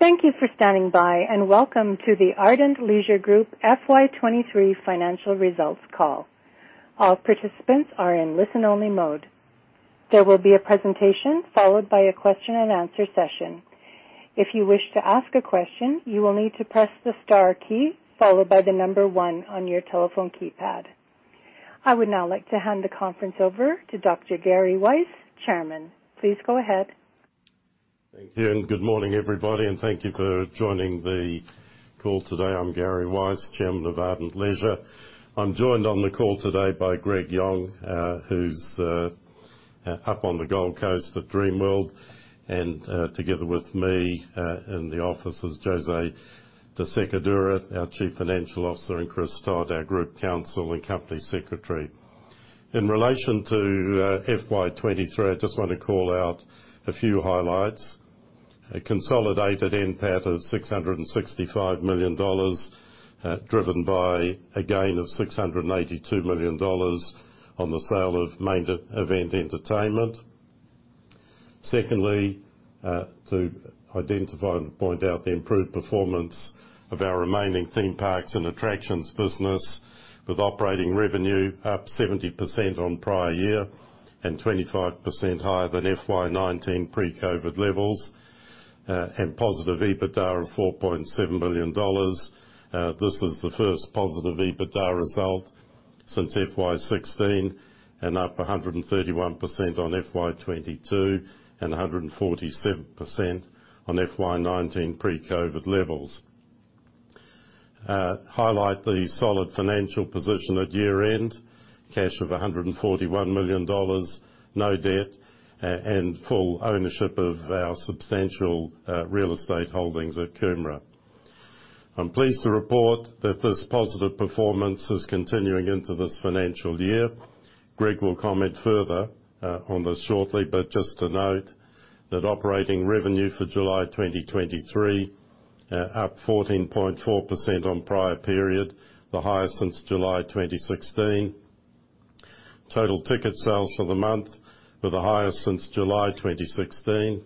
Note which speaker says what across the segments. Speaker 1: Thank you for standing by, and welcome to the Ardent Leisure Group FY 2023 financial results call. All participants are in listen-only mode. There will be a presentation, followed by a question and answer session. If you wish to ask a question, you will need to press the star key, followed by the number one on your telephone keypad. I would now like to hand the conference over to Dr Gary Weiss, Chairman. Please go ahead.
Speaker 2: Thank you, and good morning, everybody, and thank you for joining the call today. I'm Gary Weiss, Chairman of Ardent Leisure. I'm joined on the call today by Greg Yong, who's up on the Gold Coast at Dreamworld, and together with me in the office is Jose de Sacadura, our Chief Financial Officer, and Chris Todd, our Group Counsel and Company Secretary. In relation to FY 2023, I just want to call out a few highlights. A consolidated NPAT of 665 million dollars, driven by a gain of 682 million dollars on the sale of Main Event Entertainment. Secondly, to identify and point out the improved performance of our remaining theme parks and attractions business, with operating revenue up 70% on prior year and 25% higher than FY 2019 pre-COVID levels, and positive EBITDA of 4.7 million dollars. This is the first positive EBITDA result since FY 2016 and up 131% on FY 2022, and 147% on FY 2019 pre-COVID levels. Highlight the solid financial position at year-end, cash of 141 million dollars, no debt, and full ownership of our substantial real estate holdings at Coomera. I'm pleased to report that this positive performance is continuing into this financial year. Greg will comment further on this shortly, but just to note that operating revenue for July 2023 up 14.4% on prior period, the highest since July 2016. Total ticket sales for the month were the highest since July 2016.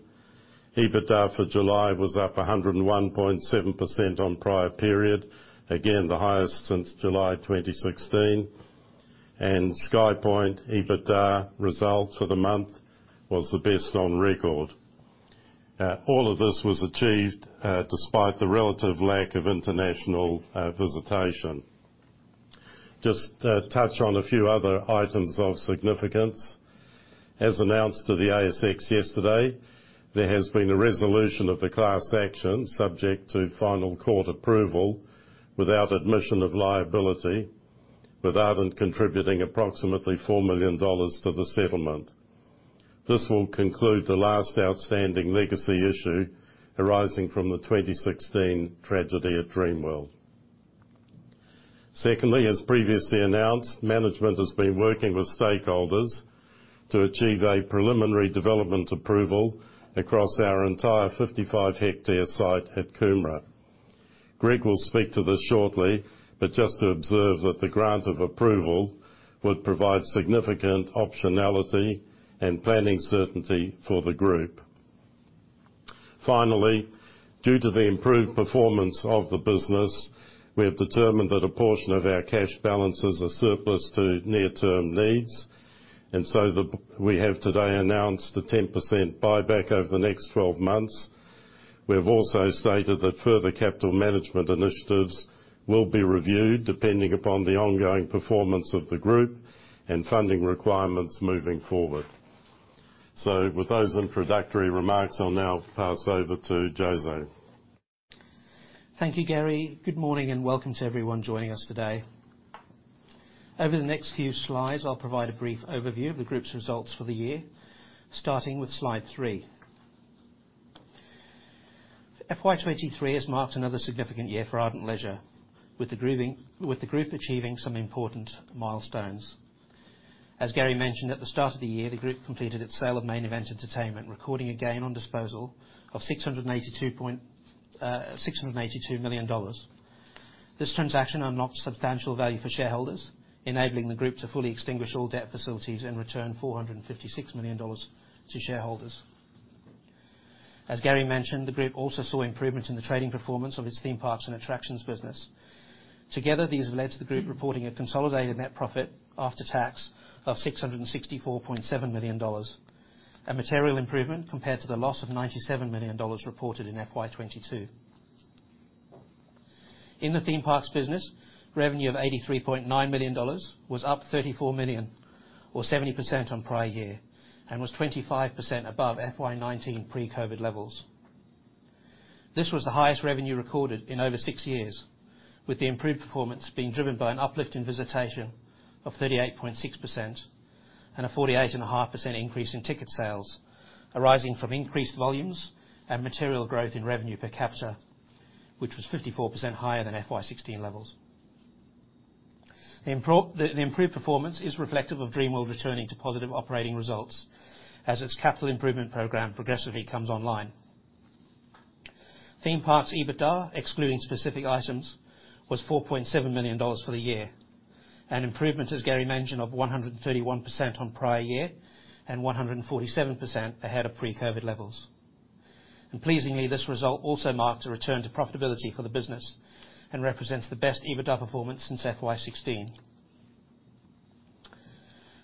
Speaker 2: EBITDA for July was up 101.7% on prior period, again, the highest since July 2016. SkyPoint EBITDA results for the month was the best on record. All of this was achieved despite the relative lack of international visitation. Just to touch on a few other items of significance. As announced to the ASX yesterday, there has been a resolution of the class action, subject to final court approval, without admission of liability, with Ardent contributing approximately 4 million dollars to the settlement. This will conclude the last outstanding legacy issue arising from the 2016 tragedy at Dreamworld. Secondly, as previously announced, management has been working with stakeholders to achieve a preliminary development approval across our entire 55 hectare site at Coomera. Greg will speak to this shortly, but just to observe that the grant of approval would provide significant optionality and planning certainty for the group. Finally, due to the improved performance of the business, we have determined that a portion of our cash bAlances are surplus to near-term needs, and so we have today announced a 10% buyback over the next 12 months. We have also stated that further capital management initiatives will be reviewed, depending upon the ongoing performance of the group and funding requirements moving forward. So with those introductory remarks, I'll now pass over to Jose.
Speaker 3: Thank you, Gary. Good morning, and welcome to everyone joining us today. Over the next few slides, I'll provide a brief overview of the group's results for the year, starting with slide three. FY 2023 has marked another significant year for Ardent Leisure, with the group achieving some important milestones. As Gary mentioned, at the start of the year, the group completed its sale of Main Event Entertainment, recording a gain on disposal of 682 million dollars. This transaction unlocked substantial value for shareholders, enabling the group to fully extinguish all debt facilities and return 456 million dollars to shareholders. As Gary mentioned, the group also saw improvement in the trading performance of its theme parks and attractions business. Together, these led to the group reporting a consolidated net profit after tax of 664.7 million dollars, a material improvement compared to the loss of 97 million dollars reported in FY 2022. In the theme parks business, revenue of 83.9 million dollars was up 34 million, or 70% on prior year, and was 25% above FY 2019 pre-COVID levels. This was the highest revenue recorded in over six years, with the improved performance being driven by an uplift in visitation of 38.6% and a 48.5% increase in ticket sales, arising from increased volumes and material growth in revenue per capita, which was 54% higher than FY 2016 levels. The improved performance is reflective of Dreamworld returning to positive operating results as its capital improvement program progressively comes online. Theme parks EBITDA, excluding specific items, was 4.7 million dollars for the year. An improvement, as Gary mentioned, of 131% on prior year, and 147% ahead of pre-COVID levels. Pleasingly, this result also marks a return to profitability for the business, and represents the best EBITDA performance since FY 2016.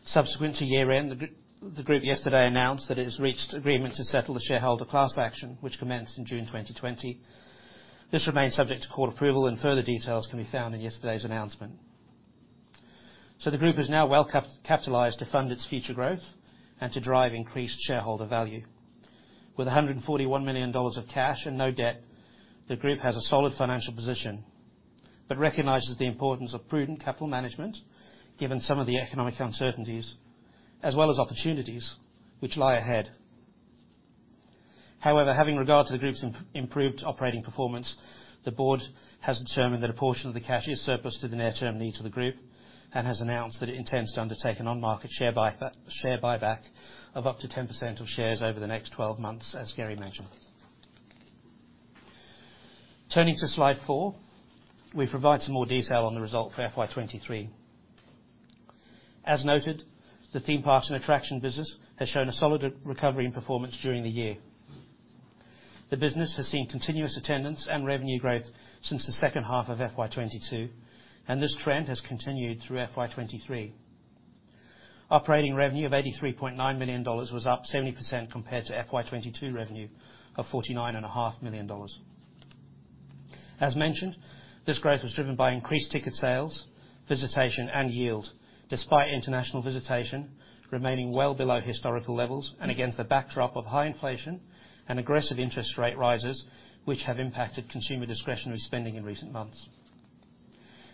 Speaker 3: Subsequent to year-end, the group yesterday announced that it has reached agreement to settle the shareholder class action, which commenced in June 2020. This remains subject to court approval, and further details can be found in yesterday's announcement. So the group is now well capitalized to fund its future growth and to drive increased shareholder value. With 141 million dollars of cash and no debt, the group has a solid financial position, but recognizes the importance of prudent capital management, given some of the economic uncertainties, as well as opportunities which lie ahead. However, having regard to the group's improved operating performance, the board has determined that a portion of the cash is surplus to the near-term needs of the group, and has announced that it intends to undertake an on-market share buyback, share buyback of up to 10% of shares over the next twelve months, as Gary mentioned. Turning to Slide four, we provide some more detail on the result for FY 2023. As noted, the theme parks and attraction business has shown a solid recovery in performance during the year. The business has seen continuous attendance and revenue growth since the second half of FY 2022, and this trend has continued through FY 2023. Operating revenue of 83.9 million dollars was up 70% compared to FY 2022 revenue of 49.5 million dollars. As mentioned, this growth was driven by increased ticket sales, visitation, and yield, despite international visitation remaining well below historical levels and against the backdrop of high inflation and aggressive interest rate rises, which have impacted consumer discretionary spending in recent months.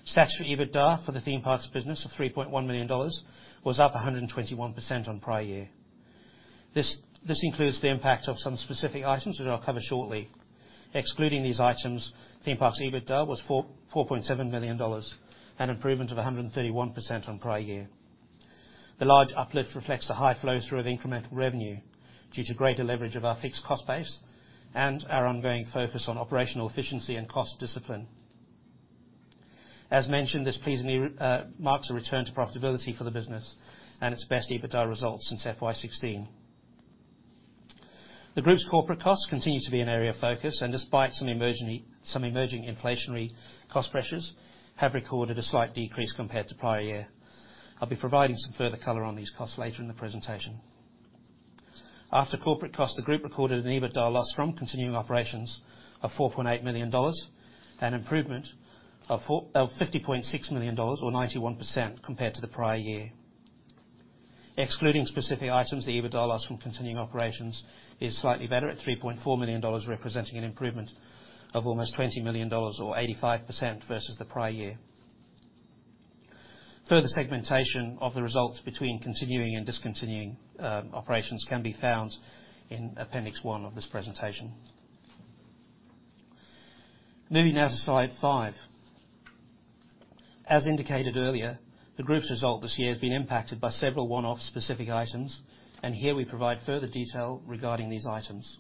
Speaker 3: Statutory EBITDA for the theme parks business of 3.1 million dollars was up 121% on prior year. This includes the impact of some specific items, which I'll cover shortly. Excluding these items, theme parks EBITDA was 4.7 million dollars, an improvement of 131% on prior year. The large uplift reflects the high flow-through of incremental revenue due to greater leverage of our fixed cost base and our ongoing focus on operational efficiency and cost discipline. As mentioned, this pleasingly marks a return to profitability for the business and its best EBITDA results since FY 2016. The group's corporate costs continue to be an area of focus, and despite some emerging inflationary cost pressures, have recorded a slight decrease compared to prior year. I'll be providing some further color on these costs later in the presentation. After corporate costs, the group recorded an EBITDA loss from continuing operations of 4.8 million dollars, an improvement of 50.6 million dollars, or 91%, compared to the prior year. Excluding specific items, the EBITDA loss from continuing operations is slightly better at 3.4 million dollars, representing an improvement of almost 20 million dollars or 85% versus the prior year. Further segmentation of the results between continuing and discontinuing operations can be found in Appendix 1 of this presentation. Moving now to Slide five. As indicated earlier, the group's result this year has been impacted by several one-off specific items, and here we provide further detail regarding these items.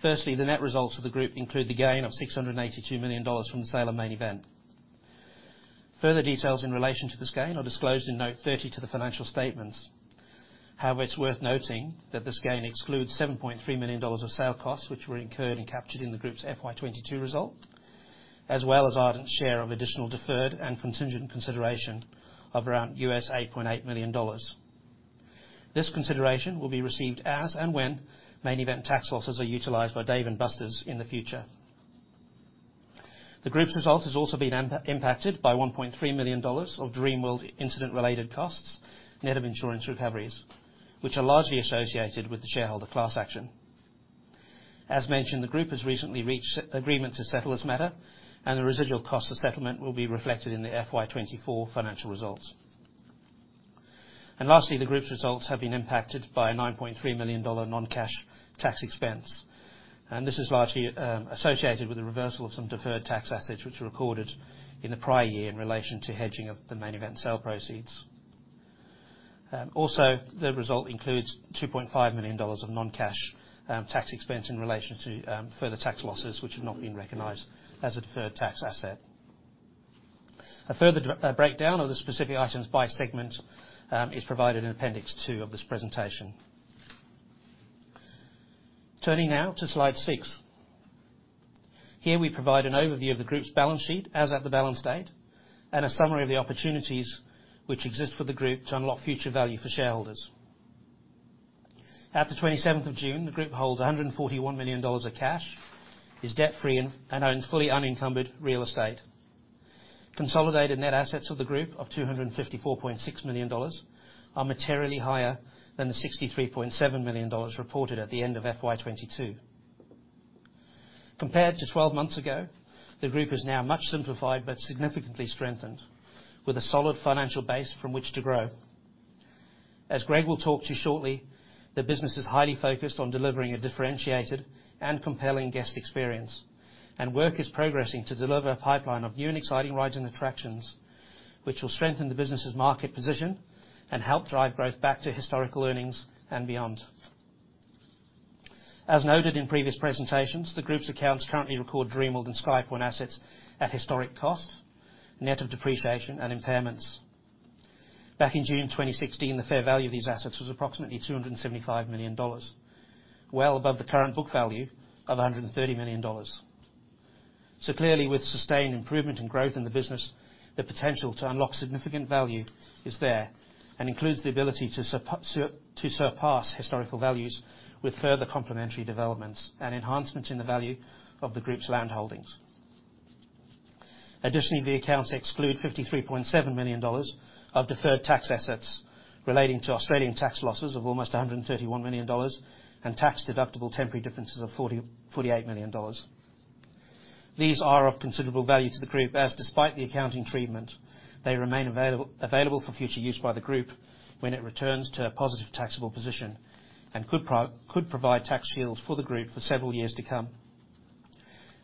Speaker 3: Firstly, the net results of the group include the gain of 682 million dollars from the sale of Main Event. Further details in relation to this gain are disclosed in Note 30 to the financial statements. However, it's worth noting that this gain excludes 7.3 million dollars of sale costs, which were incurred and captured in the group's FY 2022 result, as well as Ardent's share of additional deferred and contingent consideration of around $8.8 million. This consideration will be received as and when Main Event tax losses are utilized by Dave & Buster's in the future. The group's result has also been impacted by 1.3 million dollars of Dreamworld incident-related costs, net of insurance recoveries, which are largely associated with the shareholder class action. As mentioned, the group has recently reached agreement to settle this matter, and the residual cost of settlement will be reflected in the FY 2024 financial results. Lastly, the group's results have been impacted by a $9.3 million non-cash tax expense, and this is largely associated with the reversal of some deferred tax assets, which were recorded in the prior year in relation to hedging of the Main Event sale proceeds. Also, the result includes $2.5 million of non-cash tax expense in relation to further tax losses, which have not been recognized as a deferred tax asset. A further breakdown of the specific items by segment is provided in Appendix 2 of this presentation. Turning now to Slide six. Here, we provide an overview of the group's bAlance sheet as at the bAlance date, and a summary of the opportunities which exist for the group to unlock future value for shareholders. At the 27th of June, the group holds 141 million dollars of cash, is debt-free, and owns fully unencumbered real estate. Consolidated net assets of the group of 254.6 million dollars are materially higher than the 63.7 million dollars reported at the end of FY 2022. Compared to 12 months ago, the group is now much simplified but significantly strengthened, with a solid financial base from which to grow. As Greg will talk to you shortly, the business is highly focused on delivering a differentiated and compelling guest experience. Work is progressing to deliver a pipeline of new and exciting rides and attractions, which will strengthen the business's market position and help drive growth back to historical earnings and beyond. As noted in previous presentations, the group's accounts currently record Dreamworld and SkyPoint assets at historic cost, net of depreciation and impairments. Back in June 2016, the fair value of these assets was approximately 275 million dollars, well above the current book value of 130 million dollars. So clearly, with sustained improvement and growth in the business, the potential to unlock significant value is there, and includes the ability to surpass historical values with further complementary developments and enhancements in the value of the group's land holdings. Additionally, the accounts exclude 53.7 million dollars of deferred tax assets relating to Australian tax losses of almost 131 million dollars and tax-deductible temporary differences of 44.8 million dollars. These are of considerable value to the group, as despite the accounting treatment, they remain available for future use by the group when it returns to a positive taxable position, and could provide tax shields for the group for several years to come.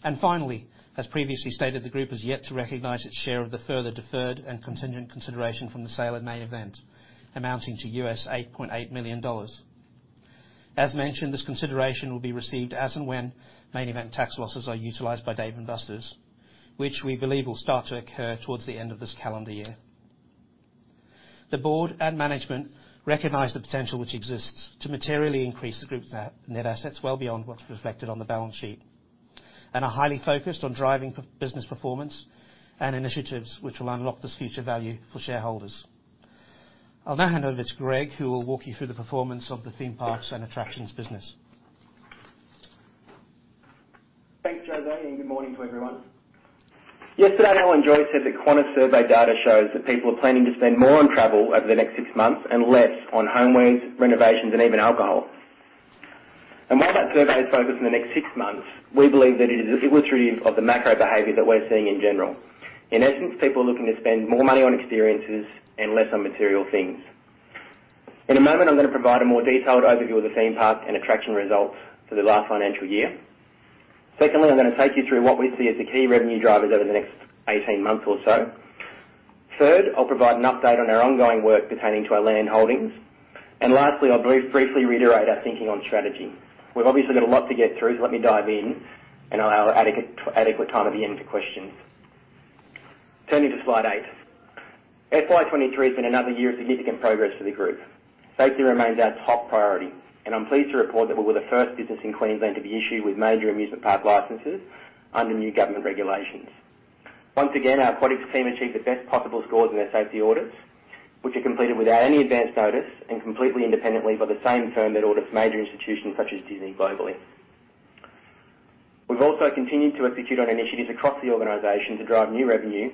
Speaker 3: And finally, as previously stated, the group has yet to recognize its share of the further deferred and contingent consideration from the sale of Main Event, amounting to U.S. $8.8 million. As mentioned, this consideration will be received as and when Main Event tax losses are utilized by Dave & Buster's, which we believe will start to occur towards the end of this calendar year. The board and management recognize the potential which exists to materially increase the group's net assets, well beyond what's reflected on the bAlance sheet, and are highly focused on driving business performance and initiatives which will unlock this future value for shareholders. I'll now hand over to Greg, who will walk you through the performance of the theme parks and attractions business.
Speaker 4: Thanks, Jose, and good morning to everyone. Yesterday, Alan Joyce said that Qantas survey data shows that people are planning to spend more on travel over the next six months and less on homewares, renovations, and even alcohol. While that survey is focused on the next six months, we believe that it is illustrative of the macro behavior that we're seeing in general. In essence, people are looking to spend more money on experiences and less on material things. In a moment, I'm going to provide a more detailed overview of the theme parks and attraction results for the last financial year. Secondly, I'm going to take you through what we see as the key revenue drivers over the next 18 months or so. Third, I'll provide an update on our ongoing work pertaining to our land holdings. Lastly, I'll briefly reiterate our thinking on strategy. We've obviously got a lot to get through, so let me dive in, and I'll allow adequate, adequate time at the end for questions. Turning to slide eight. FY 2023 has been another year of significant progress for the group. Safety remains our top priority, and I'm pleased to report that we were the first business in Queensland to be issued with major amusement park licenses under new government regulations. Once again, our aquatics team achieved the best possible scores in their safety audits, which are completed without any advance notice and completely independently by the same firm that audits major institutions such as Disney globally. We've also continued to execute on initiatives across the organization to drive new revenue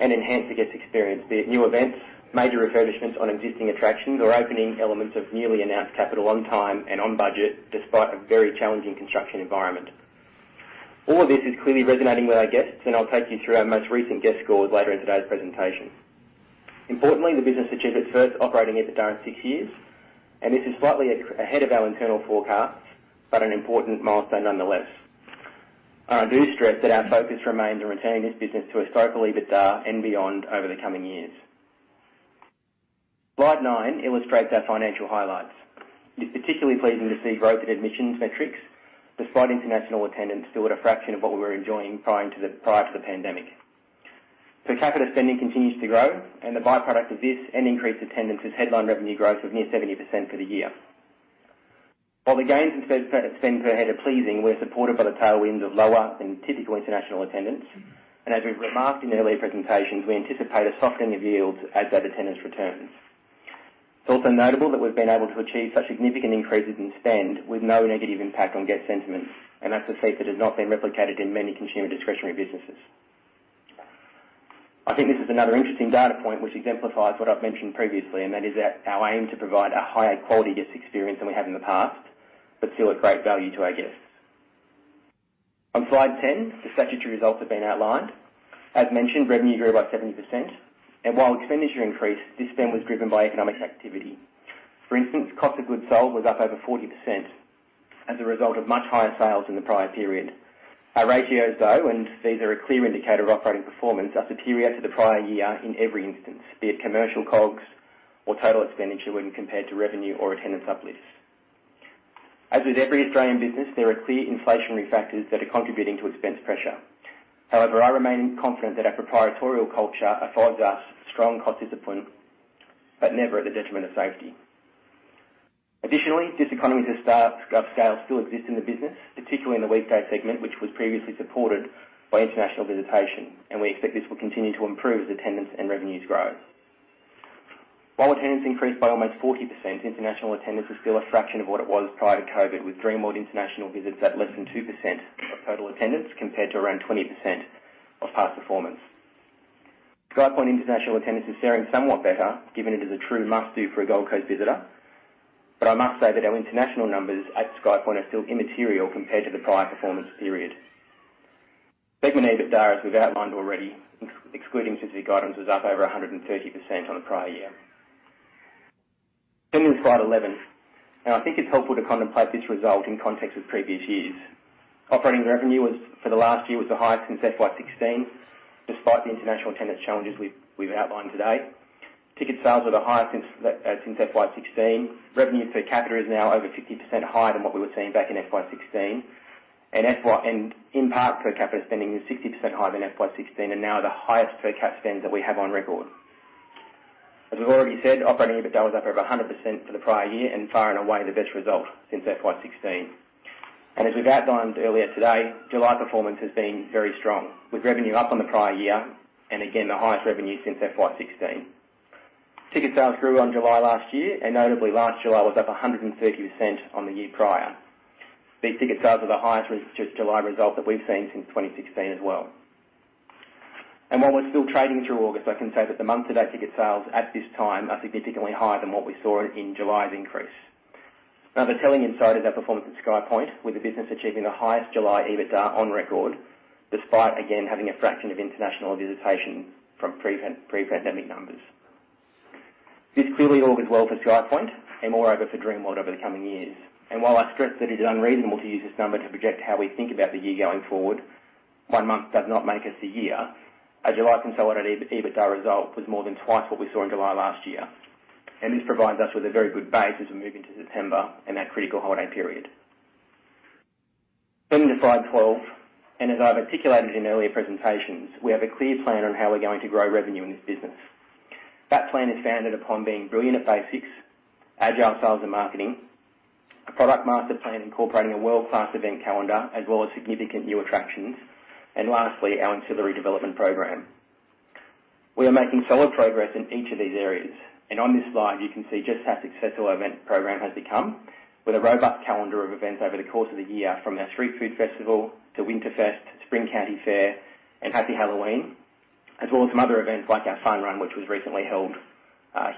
Speaker 4: and enhance the guest experience, be it new events, major refurbishments on existing attractions, or opening elements of newly announced capital on time and on budget, despite a very challenging construction environment. All of this is clearly resonating with our guests, and I'll take you through our most recent guest scores later in today's presentation. Importantly, the business achieved its first operating EBITDA in six years, and this is slightly ahead of our internal forecast, but an important milestone nonetheless. I do stress that our focus remains on returning this business to a sustainable EBITDA and beyond over the coming years. Slide nine illustrates our financial highlights. It's particularly pleasing to see growth in admissions metrics, despite international attendance still at a fraction of what we were enjoying prior to the pandemic. Per capita spending continues to grow, and the byproduct of this, and increased attendance, is headline revenue growth of near 70% for the year. While the gains in spend, spend per head are pleasing, we're supported by the tailwind of lower than typical international attendance, and as we've remarked in earlier presentations, we anticipate a softening of yields as that attendance returns. It's also notable that we've been able to achieve such significant increases in spend with no negative impact on guest sentiment, and that's a feat that has not been replicated in many consumer discretionary businesses. I think this is another interesting data point which exemplifies what I've mentioned previously, and that is our, our aim to provide a higher quality guest experience than we have in the past, but still at great value to our guests. On Slide 10, the statutory results have been outlined. As mentioned, revenue grew by 70%, and while expenditure increased, this spend was driven by economic activity. For instance, cost of goods sold was up over 40% as a result of much higher sales than the prior period. Our ratios, though, and these are a clear indicator of operating performance, are superior to the prior year in every instance, be it commercial COGS or total expenditure when compared to revenue or attendance uplifts. As with every Australian business, there are clear inflationary factors that are contributing to expense pressure. However, I remain confident that our proprietary culture affords us strong cost discipline, but never at the detriment of safety. Additionally, diseconomies of scale still exist in the business, particularly in the weekday segment, which was previously supported by international visitation, and we expect this will continue to improve as attendance and revenues grow. While attendance increased by almost 40%, international attendance is still a fraction of what it was prior to COVID, with Dreamworld international visits at less than 2% of total attendance, compared to around 20% of past performance. SkyPoint international attendance is soaring somewhat better, given it is a true must-do for a Gold Coast visitor. But I must say that our international numbers at SkyPoint are still immaterial compared to the prior performance period. Segment EBITDA, as we've outlined already, excluding specific items, was up over 130% on the prior year. Turning to slide 11, and I think it's helpful to contemplate this result in context of previous years.... Operating revenue was, for the last year, the highest since FY 2016, despite the international attendance challenges we've outlined today. Ticket sales were the highest since FY 2016. Revenue per capita is now over 50% higher than what we were seeing back in FY 2016. In park per capita spending is 60% higher than FY 2016, and now the highest per cap spend that we have on record. As we've already said, operating EBITDA was up over 100% for the prior year and far and away the best result since FY 2016. As we've outlined earlier today, July performance has been very strong, with revenue up on the prior year, and again, the highest revenue since FY 2016. Ticket sales grew on July last year, and notably last July was up 130% on the year prior. These ticket sales are the highest July result that we've seen since 2016 as well. And while we're still trading through August, I can say that the month-to-date ticket sales at this time are significantly higher than what we saw in July's increase. Another telling insight is our performance at SkyPoint, with the business achieving the highest July EBITDA on record, despite again, having a fraction of international visitation from pre-pandemic numbers. This clearly augurs well for SkyPoint and moreover, for Dreamworld over the coming years. And while I stress that it is unreasonable to use this number to project how we think about the year going forward, one month does not make us the year. Our July consolidated EBITDA result was more than twice what we saw in July last year, and this provides us with a very good base as we move into September and that critical holiday period. Going to slide 12, and as I've articulated in earlier presentations, we have a clear plan on how we're going to grow revenue in this business. That plan is founded upon being brilliant at basics, agile sales and marketing, a product master plan incorporating a world-class event calendar, as well as significant new attractions, and lastly, our ancillary development program. We are making solid progress in each of these areas, and on this slide, you can see just how successful our event program has become, with a robust calendar of events over the course of the year, from our Street Food Festival to Winterfest, Spring Country Fair, and Happy Halloween, as well as some other events like our Fun Run, which was recently held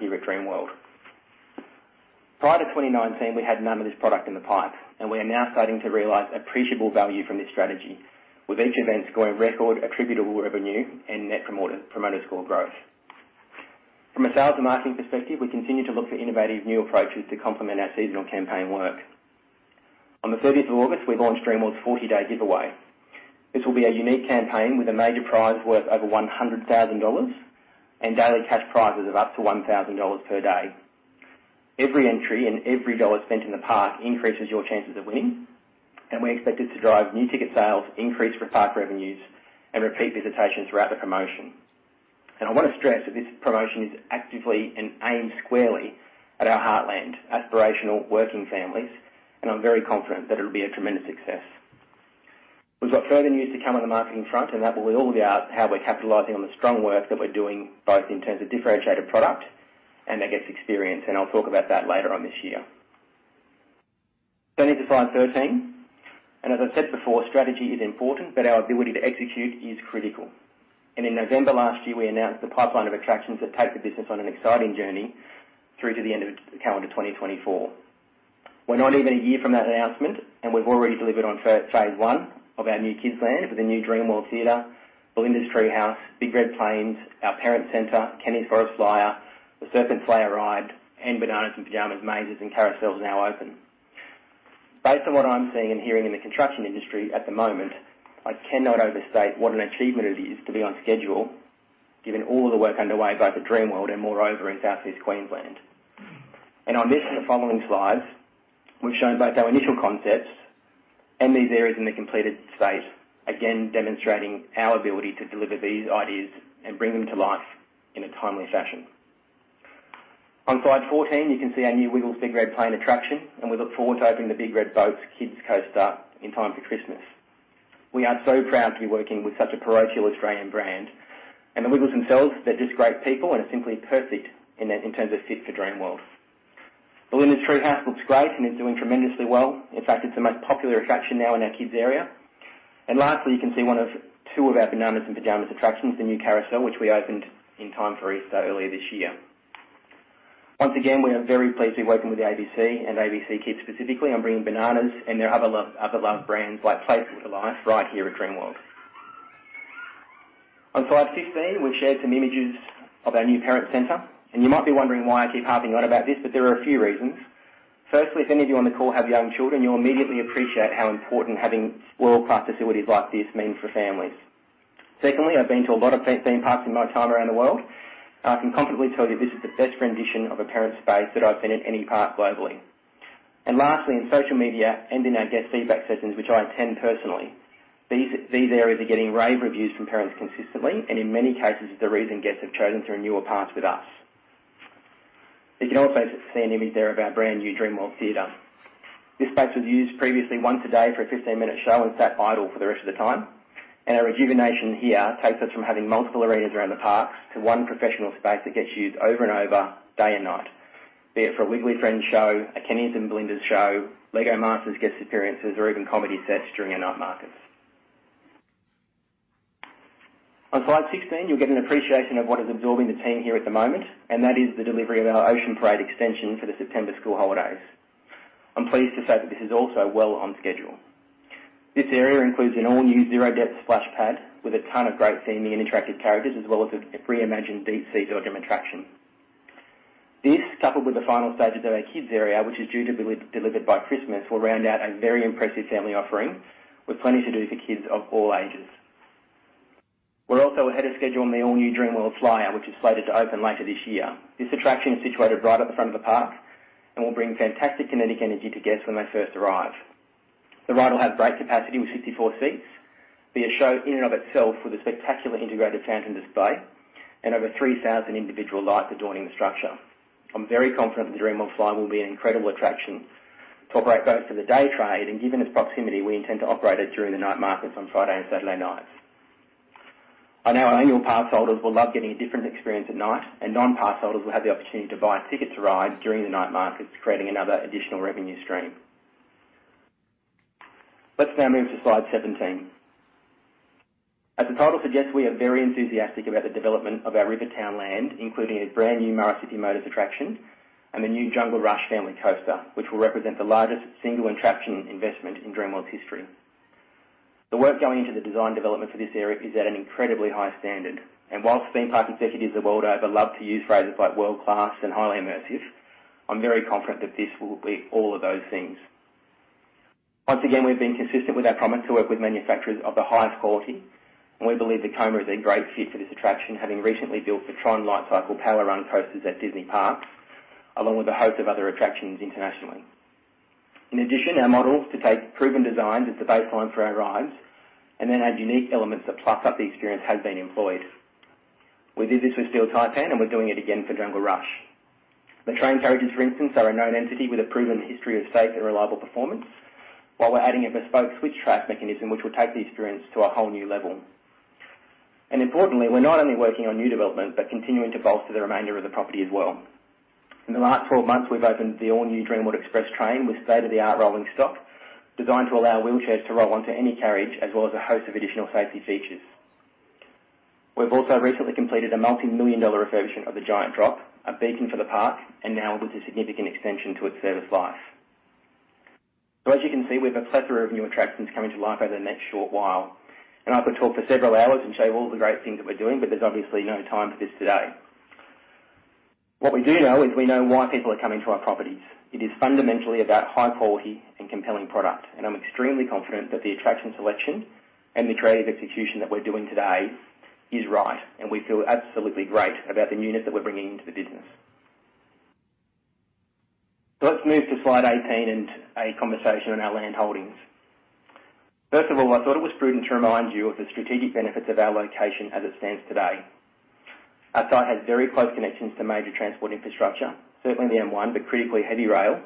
Speaker 4: here at Dreamworld. Prior to 2019, we had none of this product in the pipe, and we are now starting to realize appreciable value from this strategy, with each event scoring record attributable revenue and Net Promoter Score growth. From a sales and marketing perspective, we continue to look for innovative new approaches to complement our seasonal campaign work. On the 30th of August, we launched Dreamworld's 40-day giveaway. This will be a unique campaign with a major prize worth over 100,000 dollars and daily cash prizes of up to 1,000 dollars per day. Every entry and every dollar spent in the park increases your chances of winning, and we expect it to drive new ticket sales, increase for park revenues, and repeat visitations throughout the promotion. I want to stress that this promotion is actively and aimed squarely at our heartland, aspirational, working families, and I'm very confident that it'll be a tremendous success. We've got further news to come on the marketing front, and that will all be out how we're capitalizing on the strong work that we're doing, both in terms of differentiated product and our guest experience, and I'll talk about that later on this year. Going to slide 13, and as I've said before, strategy is important, but our ability to execute is critical. In November last year, we announced the pipeline of attractions that take the business on an exciting journey through to the end of calendar 2024. We're not even a year from that announcement, and we've already delivered on first phase one of our new Kids Land, with the new Dreamworld Theatre, Belinda's Treehouse, Big Red Planes, our Parents Centre, Kenny's Forest Flyer, the Serpent Slayer ride, and Bananas in Pyjamas Mazes and Carousel is now open. Based on what I'm seeing and hearing in the construction industry at the moment, I cannot overstate what an achievement it is to be on schedule, given all of the work underway, both at Dreamworld and moreover, in Southeast Queensland. On this and the following slides, we've shown both our initial concepts and these areas in the completed state, again, demonstrating our ability to deliver these ideas and bring them to life in a timely fashion. On slide 14, you can see our new Wiggles Big Red Plane attraction, and we look forward to opening the Big Red Boats Kids Coaster in time for Christmas. We are so proud to be working with such a parochial Australian brand, and The Wiggles themselves, they're just great people and are simply perfect in their, in terms of fit for Dreamworld. Belinda's Treehouse looks great and is doing tremendously well. In fact, it's the most popular attraction now in our kids' area. Lastly, you can see one of two of our Bananas in Pyjamas attractions, the new carousel, which we opened in time for Easter earlier this year. Once again, we are very pleased to be working with the ABC, and ABC Kids specifically, on bringing Bananas and their other loved brands like Play School, to life right here at Dreamworld. On slide 15, we've shared some images of our new parent center, and you might be wondering why I keep harping on about this, but there are a few reasons. Firstly, if any of you on the call have young children, you'll immediately appreciate how important having world-class facilities like this mean for families. Secondly, I've been to a lot of theme parks in my time around the world. I can confidently tell you this is the best rendition of a parent space that I've seen at any park globally. And lastly, in social media and in our guest feedback sessions, which I attend personally, these areas are getting rave reviews from parents consistently, and in many cases, the reason guests have chosen to renew a pass with us. You can also see an image there of our brand new Dreamworld Theatre. This space was used previously once a day for a 15-minute show, and sat idle for the rest of the time. Our rejuvenation here takes us from having multiple arenas around the park to one professional space that gets used over and over, day and night. Be it for a Wiggly Friends show, a Kenny's and Belinda's show, LEGO Masters guest experiences, or even comedy sets during our night markets. On slide 16, you'll get an appreciation of what is absorbing the team here at the moment, and that is the delivery of our Ocean Parade extension for the September school holidays. I'm pleased to say that this is also well on schedule. This area includes an all-new zero-depth splash pad with a ton of great theming and interactive characters, as well as a reimagined Deep Sea Dodgems attraction.... This, coupled with the final stages of our kids area, which is due to be delivered by Christmas, will round out a very impressive family offering, with plenty to do for kids of all ages. We're also ahead of schedule on the all-new Dreamworld Flyer, which is slated to open later this year. This attraction is situated right at the front of the park and will bring fantastic kinetic energy to guests when they first arrive. The ride will have great capacity with 64 seats, be a show in and of itself with a spectacular integrated fountain display, and over 3,000 individual lights adorning the structure. I'm very confident the Dreamworld Flyer will be an incredible attraction to operate both for the day trade, and given its proximity, we intend to operate it during the night markets on Friday and Saturday nights. Our annual pass holders will love getting a different experience at night, and non-pass holders will have the opportunity to buy tickets to ride during the night markets, creating another additional revenue stream. Let's now move to slide 17. As the title suggests, we are very enthusiastic about the development of our Rivertown land, including a brand new Murrissippi Motors attraction and the new Jungle Rush family coaster, which will represent the largest single attraction investment in Dreamworld's history. The work going into the design development for this area is at an incredibly high standard, and while theme park executives the world over love to use phrases like world-class and highly immersive, I'm very confident that this will be all of those things. Once again, we've been consistent with our promise to work with manufacturers of the highest quality, and we believe that Vekoma is a great fit for this attraction, having recently built the Tron Lightcycle Power Run coasters at Disney Parks, along with a host of other attractions internationally. In addition, our model to take proven designs as the baseline for our rides and then add unique elements that plus up the experience has been employed. We did this with Steel Taipan, and we're doing it again for Jungle Rush. The train carriages, for instance, are a known entity with a proven history of safe and reliable performance. While we're adding a bespoke switch track mechanism, which will take the experience to a whole new level. Importantly, we're not only working on new development, but continuing to bolster the remainder of the property as well. In the last 12 months, we've opened the all-new Dreamworld Express train with state-of-the-art rolling stock, designed to allow wheelchairs to roll onto any carriage, as well as a host of additional safety features. We've also recently completed a multimillion-dollar refurbishment of the Giant Drop, a beacon for the park, and now with a significant extension to its service life. So as you can see, we have a plethora of new attractions coming to life over the next short while, and I could talk for several hours and show you all the great things that we're doing, but there's obviously no time for this today. What we do know is, we know why people are coming to our properties. It is fundamentally about high quality and compelling product, and I'm extremely confident that the attraction selection and the creative execution that we're doing today is right, and we feel absolutely great about the newness that we're bringing into the business. So let's move to slide 18 and a conversation on our land holdings. First of all, I thought it was prudent to remind you of the strategic benefits of our location as it stands today. Our site has very close connections to major transport infrastructure, certainly the M1, but critically, heavy rail,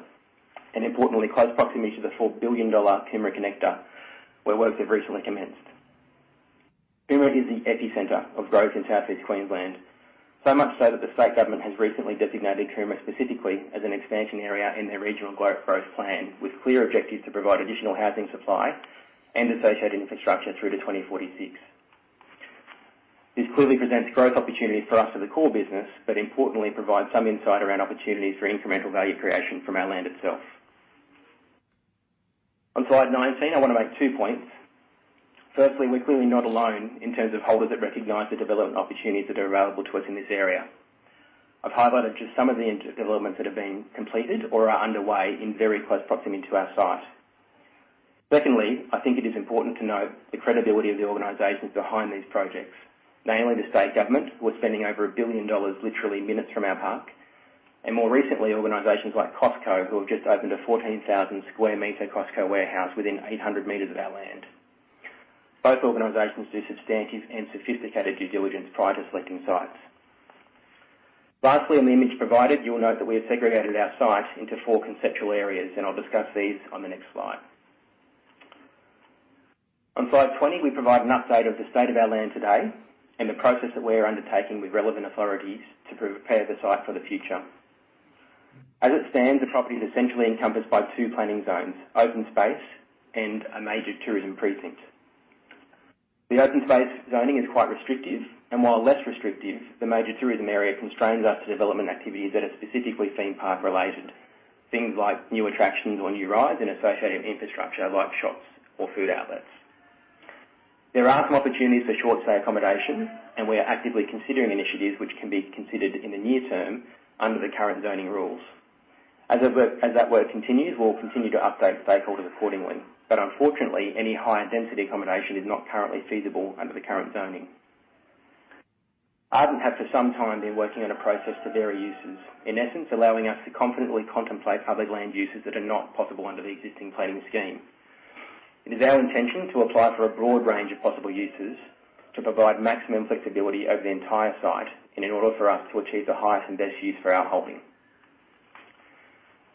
Speaker 4: and importantly, close proximity to the 4 billion dollar Coomera Connector, where works have recently commenced. Coomera is the epicenter of growth in Southeast Queensland. So much so that the state government has recently designated Coomera specifically as an expansion area in their regional growth plan, with clear objectives to provide additional housing supply and associated infrastructure through to 2046. This clearly presents growth opportunities for us as a core business, but importantly, provides some insight around opportunities for incremental value creation from our land itself. On slide 19, I want to make two points. Firstly, we're clearly not alone in terms of holders that recognize the development opportunities that are available to us in this area. I've highlighted just some of the infill developments that have been completed or are underway in very close proximity to our site. Secondly, I think it is important to note the credibility of the organizations behind these projects. Namely, the state government was spending over 1 billion dollars, literally minutes from our park, and more recently, organizations like Costco, who have just opened a 14,000 sq m Costco warehouse within 800 meters of our land. Both organizations do substantive and sophisticated due diligence prior to selecting sites. Lastly, on the image provided, you'll note that we have segregated our site into four conceptual areas, and I'll discuss these on the next slide. On slide 20, we provide an update of the state of our land today and the process that we are undertaking with relevant authorities to prepare the site for the future. As it stands, the property is essentially encompassed by two planning zones: open space and a major tourism precinct. The open space zoning is quite restrictive, and while less restrictive, the major tourism area constrains us to development activities that are specifically theme park-related. Things like new attractions or new rides and associated infrastructure, like shops or food outlets. There are some opportunities for short stay accommodation, and we are actively considering initiatives which can be considered in the near term under the current zoning rules. As that work continues, we'll continue to update stakeholders accordingly, but unfortunately, any higher density accommodation is not currently feasible under the current zoning. Ardent has for some time been working on a process for various uses, in essence, allowing us to confidently contemplate other land uses that are not possible under the existing planning scheme. It is our intention to apply for a broad range of possible uses to provide maximum flexibility over the entire site and in order for us to achieve the highest and best use for our holding.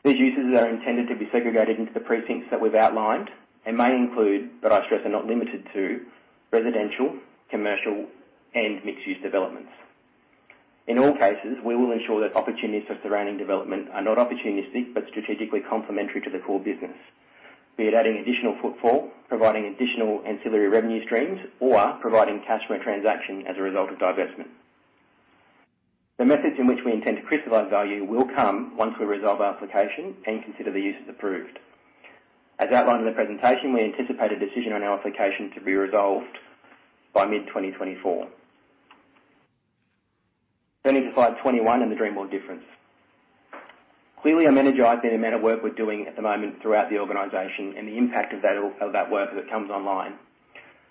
Speaker 4: These uses are intended to be segregated into the precincts that we've outlined and may include, but I stress, are not limited to residential, commercial, and mixed-use developments. In all cases, we will ensure that opportunities for surrounding development are not opportunistic, but strategically complementary to the core business, be it adding additional footfall, providing additional ancillary revenue streams, or providing cash from a transaction as a result of divestment. The methods in which we intend to crystallize value will come once we resolve our application and consider the uses approved. As outlined in the presentation, we anticipate a decision on our application to be resolved by mid-2024. Turning to slide 21 and the Dreamworld difference. Clearly, I'm energized by the amount of work we're doing at the moment throughout the organization and the impact of all of that work as it comes online.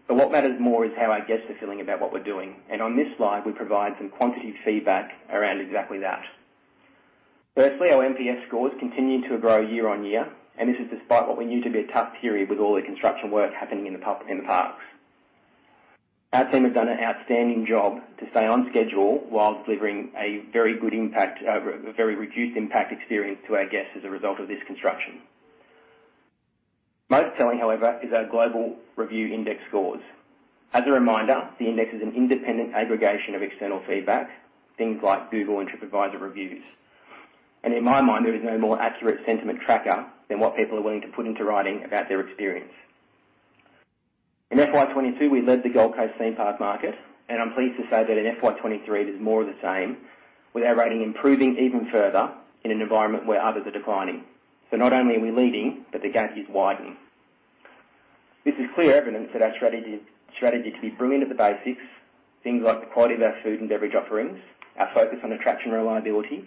Speaker 4: But what matters more is how our guests are feeling about what we're doing, and on this slide, we provide some quantitative feedback around exactly that. Firstly, our NPS scores continue to grow year on year, and this is despite what we knew to be a tough period with all the construction work happening in the park, in the parks. Our team has done an outstanding job to stay on schedule while delivering a very reduced impact experience to our guests as a result of this construction. Most telling, however, is our global review index scores. As a reminder, the index is an independent aggregation of external feedback, things like Google and TripAdvisor reviews. In my mind, there is no more accurate sentiment tracker than what people are willing to put into writing about their experience. In FY 2022, we led the Gold Coast theme park market, and I'm pleased to say that in FY 2023, it is more of the same, with our rating improving even further in an environment where others are declining. So not only are we leading, but the gap is widening. This is clear evidence that our strategy to be brilliant at the basics, things like the quality of our food and beverage offerings, our focus on attraction reliability,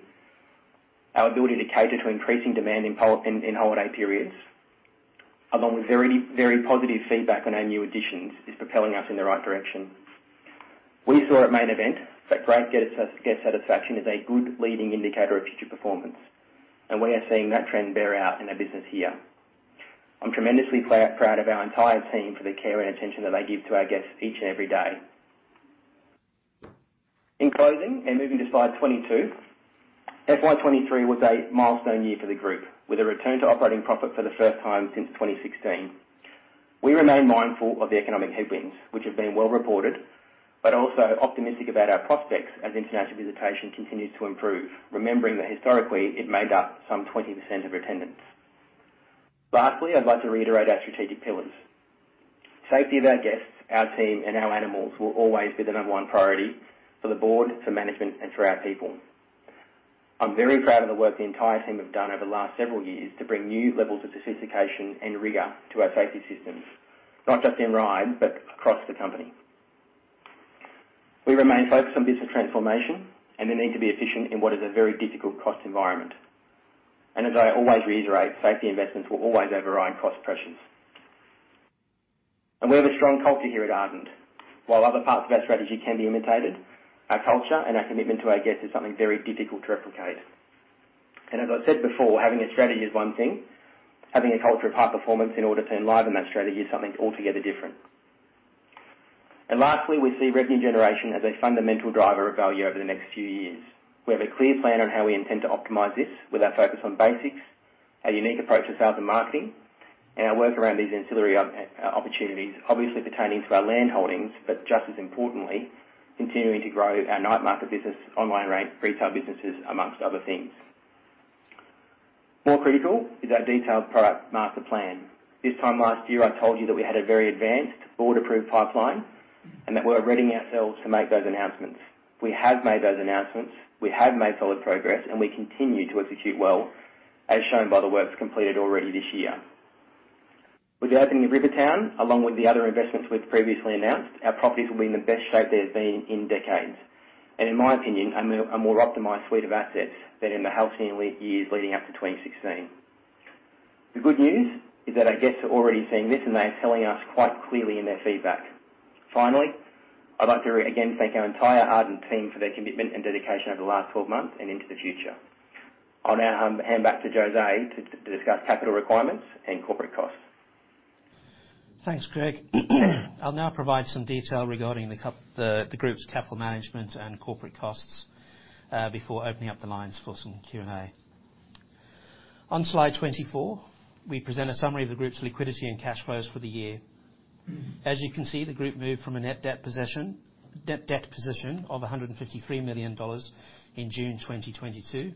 Speaker 4: our ability to cater to increasing demand in peak holiday periods, along with very, very positive feedback on our new additions, is propelling us in the right direction. We saw at Main Event that great guest satisfaction is a good leading indicator of future performance, and we are seeing that trend bear out in our business here. I'm tremendously proud of our entire team for the care and attention that they give to our guests each and every day. In closing, and moving to slide 22, FY 2023 was a milestone year for the group, with a return to operating profit for the first time since 2016. We remain mindful of the economic headwinds, which have been well reported, but also optimistic about our prospects as international visitation continues to improve, remembering that historically, it made up some 20% of attendance. Lastly, I'd like to reiterate our strategic pillars. Safety of our guests, our team, and our animals will always be the number one priority for the board, for management, and for our people. I'm very proud of the work the entire team have done over the last several years to bring new levels of sophistication and rigor to our safety systems, not just in rides, but across the company. We remain focused on business transformation and the need to be efficient in what is a very difficult cost environment. As I always reiterate, safety investments will always override cost pressures. We have a strong culture here at Ardent. While other parts of our strategy can be imitated, our culture and our commitment to our guests is something very difficult to replicate. As I said before, having a strategy is one thing, having a culture of high performance in order to enliven that strategy is something altogether different. Lastly, we see revenue generation as a fundamental driver of value over the next few years. We have a clear plan on how we intend to optimize this, with our focus on basics, our unique approach to sales and marketing, and our work around these ancillary opportunities, obviously pertaining to our land holdings, but just as importantly, continuing to grow our night market business, online retail businesses, among other things. More critical is our detailed product master plan. This time last year, I told you that we had a very advanced board-approved pipeline and that we're readying ourselves to make those announcements. We have made those announcements, we have made solid progress, and we continue to execute well, as shown by the work completed already this year. With the opening of Rivertown, along with the other investments we've previously announced, our properties will be in the best shape they've been in decades, and in my opinion, a more optimized suite of assets than in the healthy years leading up to 2016. The good news is that our guests are already seeing this, and they are telling us quite clearly in their feedback. Finally, I'd like to again thank our entire Ardent team for their commitment and dedication over the last 12 months and into the future. I'll now hand back to Jose to discuss capital requirements and corporate costs.
Speaker 3: Thanks, Greg. I'll now provide some detail regarding the group's capital management and corporate costs before opening up the lines for some Q&A. On Slide 24, we present a summary of the group's liquidity and cash flows for the year. As you can see, the group moved from a net debt position, net debt position of 153 million dollars in June 2022,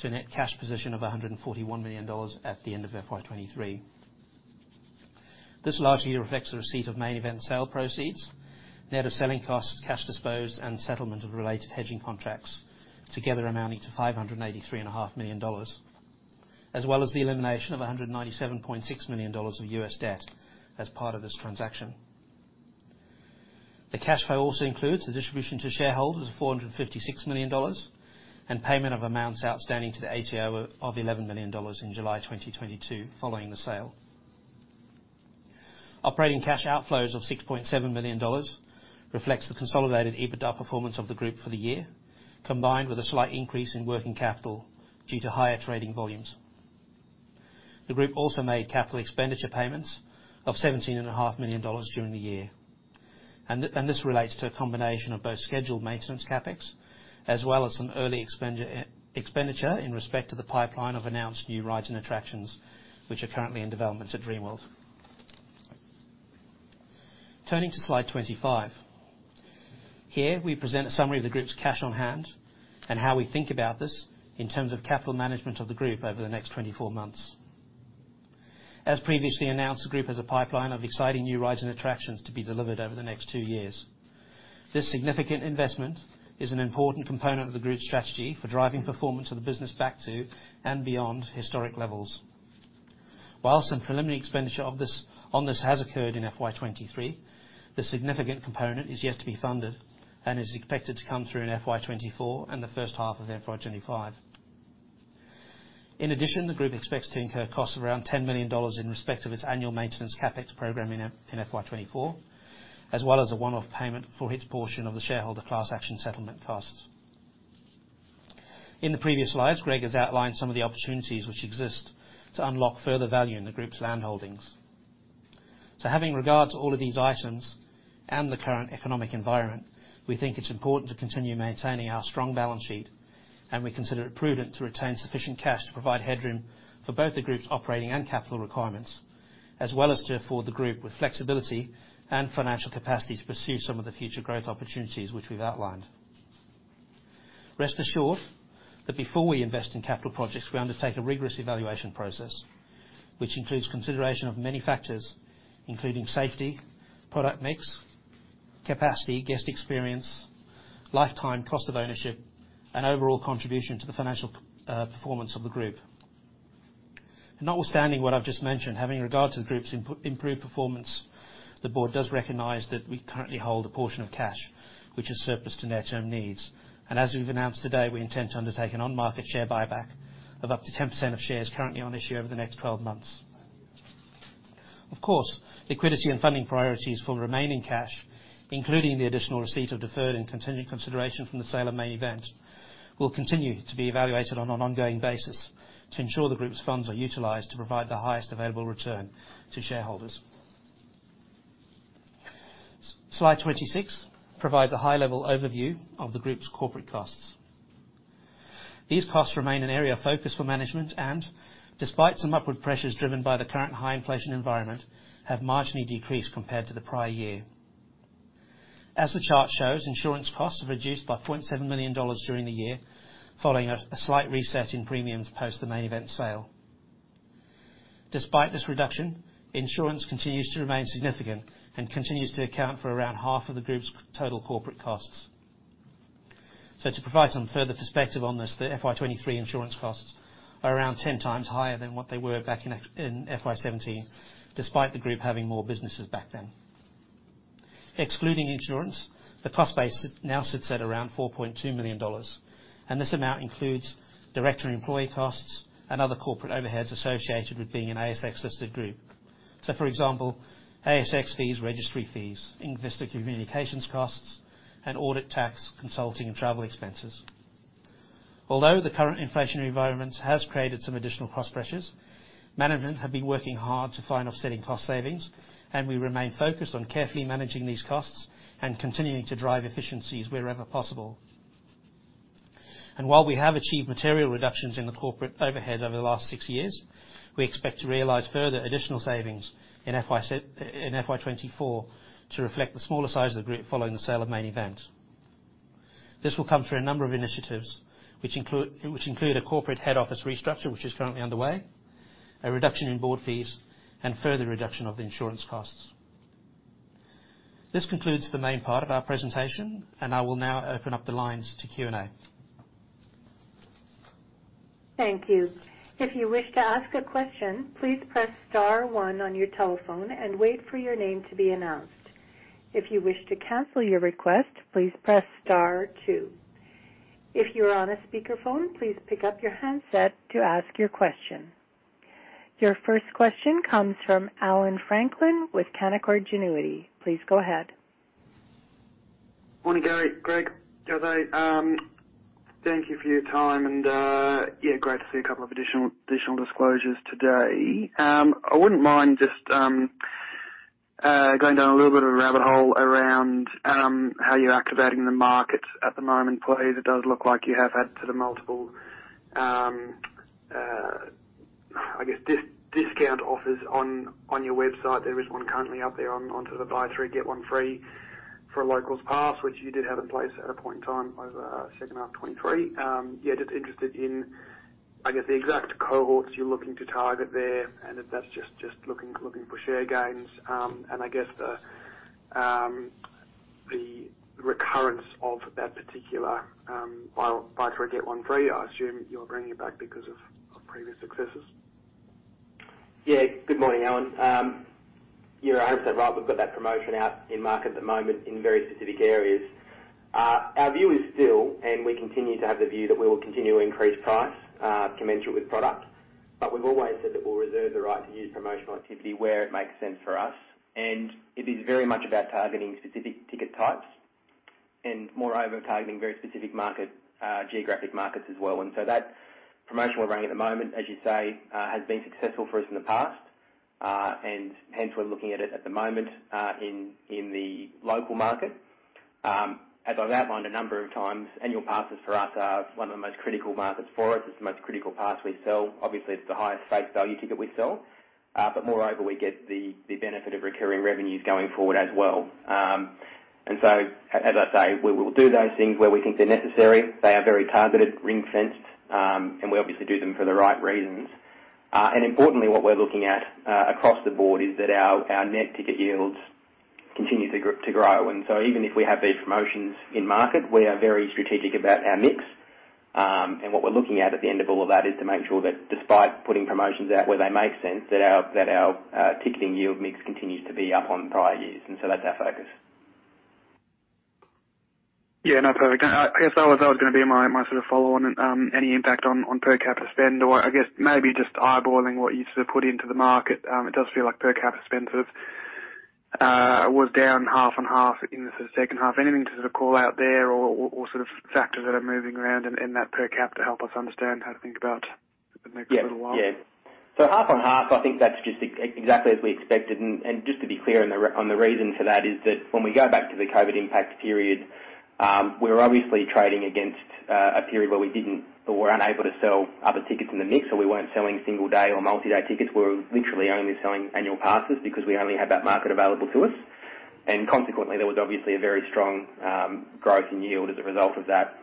Speaker 3: to a net cash position of 141 million dollars at the end of FY 2023. This largely reflects the receipt of Main Event sale proceeds, net of selling costs, cash disposed, and settlement of related hedging contracts, together amounting to $583.5 million, as well as the elimination of $197.6 million of US debt as part of this transaction. The cash flow also includes the distribution to shareholders of 456 million dollars, and payment of amounts outstanding to the ATO of 11 million dollars in July 2022, following the sale. Operating cash outflows of 6.7 million dollars reflects the consolidated EBITDA performance of the group for the year, combined with a slight increase in working capital due to higher trading volumes. The group also made capital expenditure payments of 17.5 million dollars during the year. And this relates to a combination of both scheduled maintenance CapEx, as well as some early expenditure in respect to the pipeline of announced new rides and attractions, which are currently in development at Dreamworld. Turning to Slide 25. Here, we present a summary of the group's cash on hand and how we think about this in terms of capital management of the group over the next 24 months. As previously announced, the group has a pipeline of exciting new rides and attractions to be delivered over the next two years. This significant investment is an important component of the group's strategy for driving performance of the business back to and beyond historic levels. While some preliminary expenditure on this has occurred in FY 2023, the significant component is yet to be funded and is expected to come through in FY 2024 and the first half of FY 2025. In addition, the group expects to incur costs around 10 million dollars in respect of its annual maintenance CapEx program in FY 2024, as well as a one-off payment for its portion of the shareholder class action settlement costs. In the previous slides, Greg has outlined some of the opportunities which exist to unlock further value in the group's landholdings. So having regard to all of these items and the current economic environment, we think it's important to continue maintaining our strong bAlance sheet, and we consider it prudent to retain sufficient cash to provide headroom for both the group's operating and capital requirements, as well as to afford the group with flexibility and financial capacity to pursue some of the future growth opportunities which we've outlined. Rest assured that before we invest in capital projects, we undertake a rigorous evaluation process, which includes consideration of many factors, including safety, product mix, capacity, guest experience, lifetime cost of ownership, and overall contribution to the financial performance of the group. Notwithstanding what I've just mentioned, having regard to the group's improved performance, the board does recognize that we currently hold a portion of cash, which is surplus to net term needs. As we've announced today, we intend to undertake an on-market share buyback of up to 10% of shares currently on issue over the next twelve months. Of course, liquidity and funding priorities for remaining cash, including the additional receipt of deferred and continuing consideration from the sale of Main Event, will continue to be evaluated on an ongoing basis to ensure the group's funds are utilized to provide the highest available return to shareholders. Slide 26 provides a high-level overview of the group's corporate costs. These costs remain an area of focus for management and, despite some upward pressures driven by the current high inflation environment, have marginally decreased compared to the prior year. As the chart shows, insurance costs have reduced by 0.7 million dollars during the year, following a slight reset in premiums post the Main Event sale. Despite this reduction, insurance continues to remain significant and continues to account for around half of the group's total corporate costs. So to provide some further perspective on this, the FY 2023 insurance costs are around 10 times higher than what they were back in in FY 2017, despite the group having more businesses back then. Excluding insurance, the cost base now sits at around 4.2 million dollars, and this amount includes director employee costs and other corporate overheads associated with being an ASX-listed group. So for example, ASX fees, registry fees, investor communications costs, and audit, tax, consulting, and travel expenses. Although the current inflationary environment has created some additional cost pressures, management have been working hard to find offsetting cost savings, and we remain focused on carefully managing these costs and continuing to drive efficiencies wherever possible. While we have achieved material reductions in the corporate overhead over the last six years, we expect to realize further additional savings in FY 2024 to reflect the smaller size of the group following the sale of Main Event. This will come through a number of initiatives, which include a corporate head office restructure, which is currently underway, a reduction in board fees, and further reduction of the insurance costs. This concludes the main part of our presentation, and I will now open up the lines to Q&A.
Speaker 1: Thank you. If you wish to ask a question, please press star one on your telephone and wait for your name to be announced. If you wish to cancel your request, please press star two. If you're on a speakerphone, please pick up your handset to ask your question. Your first question comes from Alan Franklin with Canaccord Genuity. Please go ahead.
Speaker 5: Morning, Gary, Greg. Thank you for your time, and yeah, great to see a couple of additional, additional disclosures today. I wouldn't mind just going down a little bit of a rabbit hole around how you're activating the markets at the moment, please. It does look like you have had sort of multiple, I guess, discount offers on your website. There is one currently out there on the buy three, get one free for Locals Pass, which you did have in place at a point in time over second half 2023. Yeah, just interested in, I guess, the exact cohorts you're looking to target there, and if that's just looking for share gains. And I guess the recurrence of that particular buy three, get one free. I assume you're bringing it back because of previous successes.
Speaker 4: Yeah. Good morning, Alan. You know, I hope that's right. We've got that promotion out in market at the moment in very specific areas. Our view is still, and we continue to have the view, that we will continue to increase price, commensurate with product, but we've always said that we'll reserve the right to use promotional activity where it makes sense for us. And it is very much about targeting specific ticket types and moreover, targeting very specific market, geographic markets as well. And so that promotion we're running at the moment, as you say, has been successful for us in the past. And hence we're looking at it at the moment, in, in the local market. As I've outlined a number of times, annual passes for us are one of the most critical markets for us. It's the most critical pass we sell. Obviously, it's the highest face value ticket we sell, but moreover, we get the benefit of recurring revenues going forward as well. And so as I say, we will do those things where we think they're necessary. They are very targeted, ring-fenced, and we obviously do them for the right reasons. And importantly, what we're looking at across the board is that our net ticket yields continue to grow, to grow. And so even if we have these promotions in market, we are very strategic about our mix. And what we're looking at, at the end of all of that, is to make sure that despite putting promotions out where they make sense, that our ticketing yield mix continues to be up on prior years. And so that's our focus.
Speaker 5: Yeah, no, perfect. I guess that was, that was gonna be my, my sort of follow on, any impact on, on per capita spend? Or I guess maybe just eyeballing what you sort of put into the market, it does feel like per capita spend sort of, was down half and half in the second half. Anything to sort of call out there or, or, sort of, factors that are moving around in, in that per cap to help us understand how to think about the next little while?
Speaker 4: Yeah. Yeah. So half on half, I think that's just exactly as we expected. And just to be clear on the reason for that, is that when we go back to the COVID impact period, we're obviously trading against a period where we didn't or were unable to sell other tickets in the mix, or we weren't selling single day or multi-day tickets. We were literally only selling annual passes because we only had that market available to us. And consequently, there was obviously a very strong growth in yield as a result of that.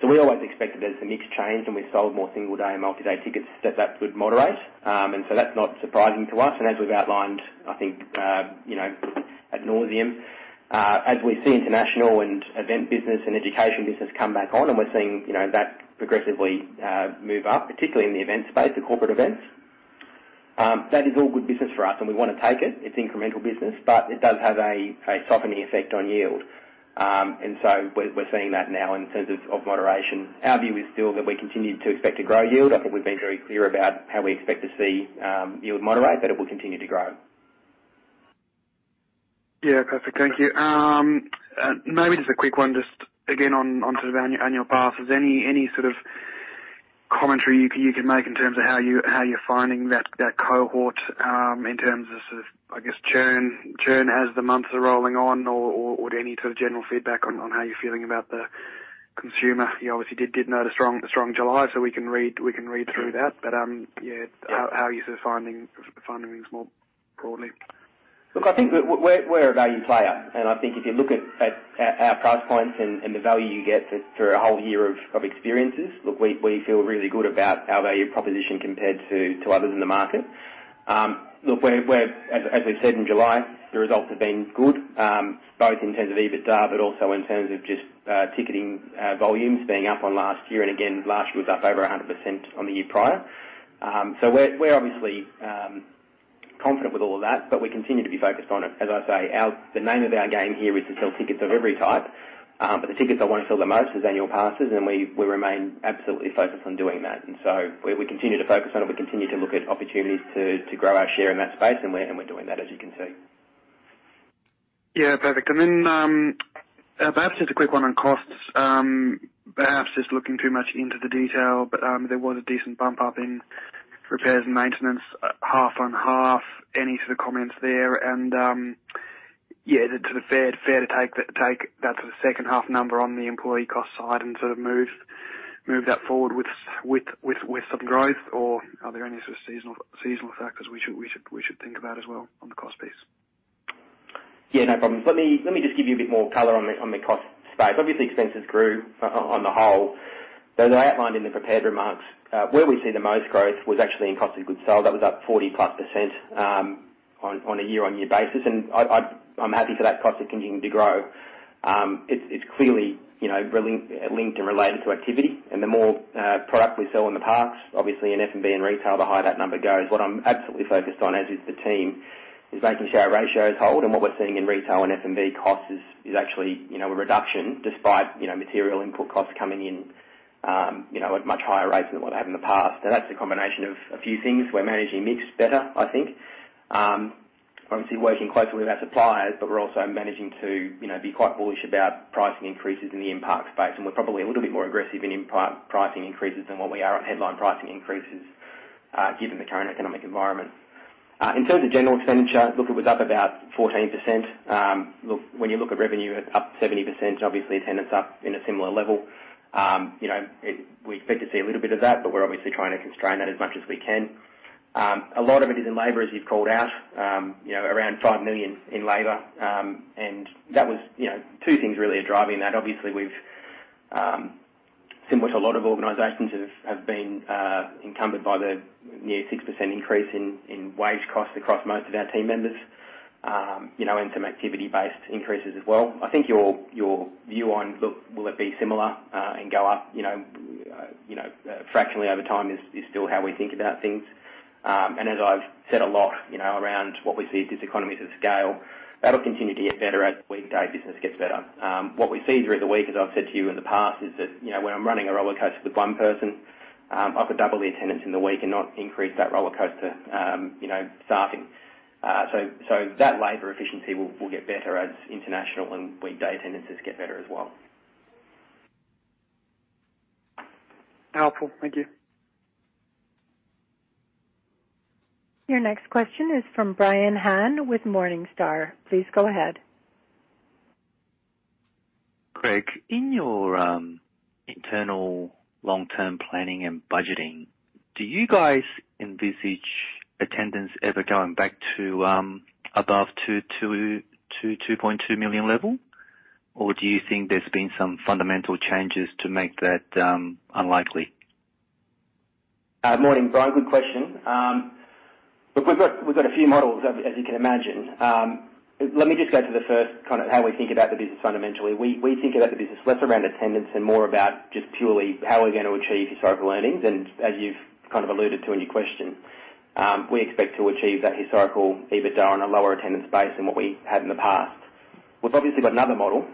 Speaker 4: So we always expected as the mix changed, and we sold more single day and multi-day tickets, that that would moderate. And so that's not surprising to us. As we've outlined, I think, you know, ad nauseam, as we see international and event business and education business come back on, and we're seeing, you know, that progressively move up, particularly in the event space, the corporate events, that is all good business for us, and we want to take it. It's incremental business, but it does have a softening effect on yield. And so we're seeing that now in terms of moderation. Our view is still that we continue to expect to grow yield. I think we've been very clear about how we expect to see yield moderate, but it will continue to grow.
Speaker 5: Yeah, perfect. Thank you. Maybe just a quick one, just again, on, on to the annual passes. Any, any sort of commentary you, you can make in terms of how you, how you're finding that, that cohort, in terms of, sort of, I guess churn, churn as the months are rolling on, or, or, any sort of general feedback on, on how you're feeling about the consumer? You obviously did, did note a strong, strong July, so we can read, we can read through that. But, yeah, how, how are you sort of finding, finding things more broadly?
Speaker 4: Look, I think we're a value player, and I think if you look at our price points and the value you get for a whole year of experiences, look, we feel really good about our value proposition compared to others in the market. Look, we're—as we said in July, the results have been good, both in terms of EBITDA, but also in terms of just ticketing volumes being up on last year. And again, last year was up over 100% on the year prior. So we're obviously confident with all of that, but we continue to be focused on it. As I say, our, the name of our game here is to sell tickets of every type, but the tickets I want to sell the most is annual passes, and we, we remain absolutely focused on doing that. And so we, we continue to focus on it. We continue to look at opportunities to, to grow our share in that space, and we, and we're doing that, as you can see.
Speaker 5: Yeah, perfect. And then, perhaps just a quick one on costs. Perhaps just looking too much into the detail, but, there was a decent bump up in repairs and maintenance, half on half. Any sort of comments there? And, yeah, is it sort of fair to take that sort of second half number on the employee cost side and sort of move that forward with some growth, or are there any sort of seasonal factors we should think about as well on the cost piece?
Speaker 4: Yeah, no problem. Let me, let me just give you a bit more color on the, on the cost space. Obviously, expenses grew on the whole. As I outlined in the prepared remarks, where we see the most growth was actually in cost of goods sold. That was up 40%+ on a year-on-year basis, and I'm happy for that cost continuing to grow. It's clearly, you know, linked and related to activity, and the more product we sell in the parks, obviously in F&B and retail, the higher that number goes. What I'm absolutely focused on, as is the team, is making sure our ratios hold, and what we're seeing in retail and F&B costs is actually, you know, a reduction despite, you know, material input costs coming in, you know, at much higher rates than what they have in the past. That's a combination of a few things. We're managing mix better, I think. Obviously working closely with our suppliers, but we're also managing to, you know, be quite bullish about pricing increases in the in-park space, and we're probably a little bit more aggressive in in-park pricing increases than what we are on headline pricing increases, given the current economic environment. In terms of general expenditure, look, it was up about 14%. Look, when you look at revenue up 70%, obviously attendance up in a similar level, you know, we expect to see a little bit of that, but we're obviously trying to constrain that as much as we can. A lot of it is in labor, as you've called out, you know, around 5 million in labor. And that was. You know, two things really are driving that. Obviously, we've, similar to a lot of organizations, have been encumbered by the near 6% increase in wage costs across most of our team members, you know, and some activity-based increases as well. I think your view on, look, will it be similar, and go up, you know, fractionally over time is still how we think about things. As I've said a lot, you know, around what we see as economies of scale, that'll continue to get better as weekday business gets better. What we see during the week, as I've said to you in the past, is that, you know, when I'm running a roller coaster with one person, I could double the attendance in the week and not increase that roller coaster, you know, staffing. So that labor efficiency will get better as international and weekday attendances get better as well.
Speaker 5: Powerful. Thank you.
Speaker 1: Your next question is from Brian Han with Morningstar. Please go ahead.
Speaker 6: Craig, in your internal long-term planning and budgeting, do you guys envisage attendance ever going back to above 2 to 2.2 million level? Or do you think there's been some fundamental changes to make that unlikely?...
Speaker 4: Morning, Brian. Good question. Look, we've got a few models as you can imagine. Let me just go to the first, kind of, how we think about the business fundamentally. We think about the business less around attendance and more about just purely how we're going to achieve historical earnings. And as you've kind of alluded to in your question, we expect to achieve that historical EBITDA on a lower attendance base than what we had in the past. We've obviously got another model,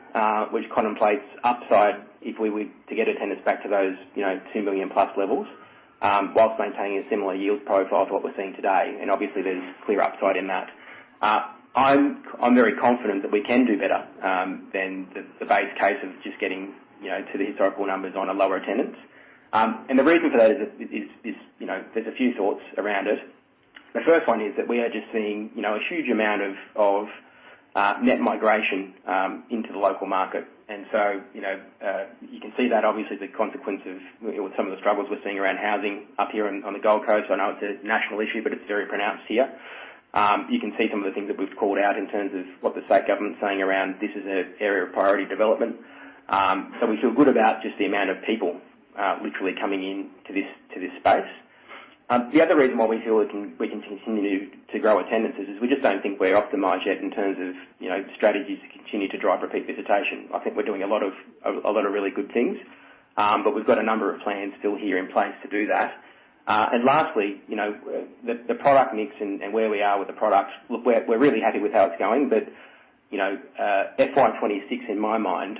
Speaker 4: which contemplates upside if we were to get attendance back to those, you know, 2 million+ levels, whilst maintaining a similar yield profile to what we're seeing today. And obviously, there's clear upside in that. I'm very confident that we can do better than the base case of just getting, you know, to the historical numbers on a lower attendance. And the reason for that is, you know, there's a few thoughts around it. The first one is that we are just seeing, you know, a huge amount of net migration into the local market. And so, you know, you can see that obviously the consequence of some of the struggles we're seeing around housing up here on the Gold Coast. I know it's a national issue, but it's very pronounced here. You can see some of the things that we've called out in terms of what the state government's saying around this is an area of priority development. So we feel good about just the amount of people literally coming in to this space. The other reason why we feel we can continue to grow attendance is we just don't think we're optimized yet in terms of, you know, strategies to continue to drive repeat visitation. I think we're doing a lot of really good things, but we've got a number of plans still here in place to do that. And lastly, you know, the product mix and where we are with the products, look, we're really happy with how it's going but, you know, FY 2026, in my mind,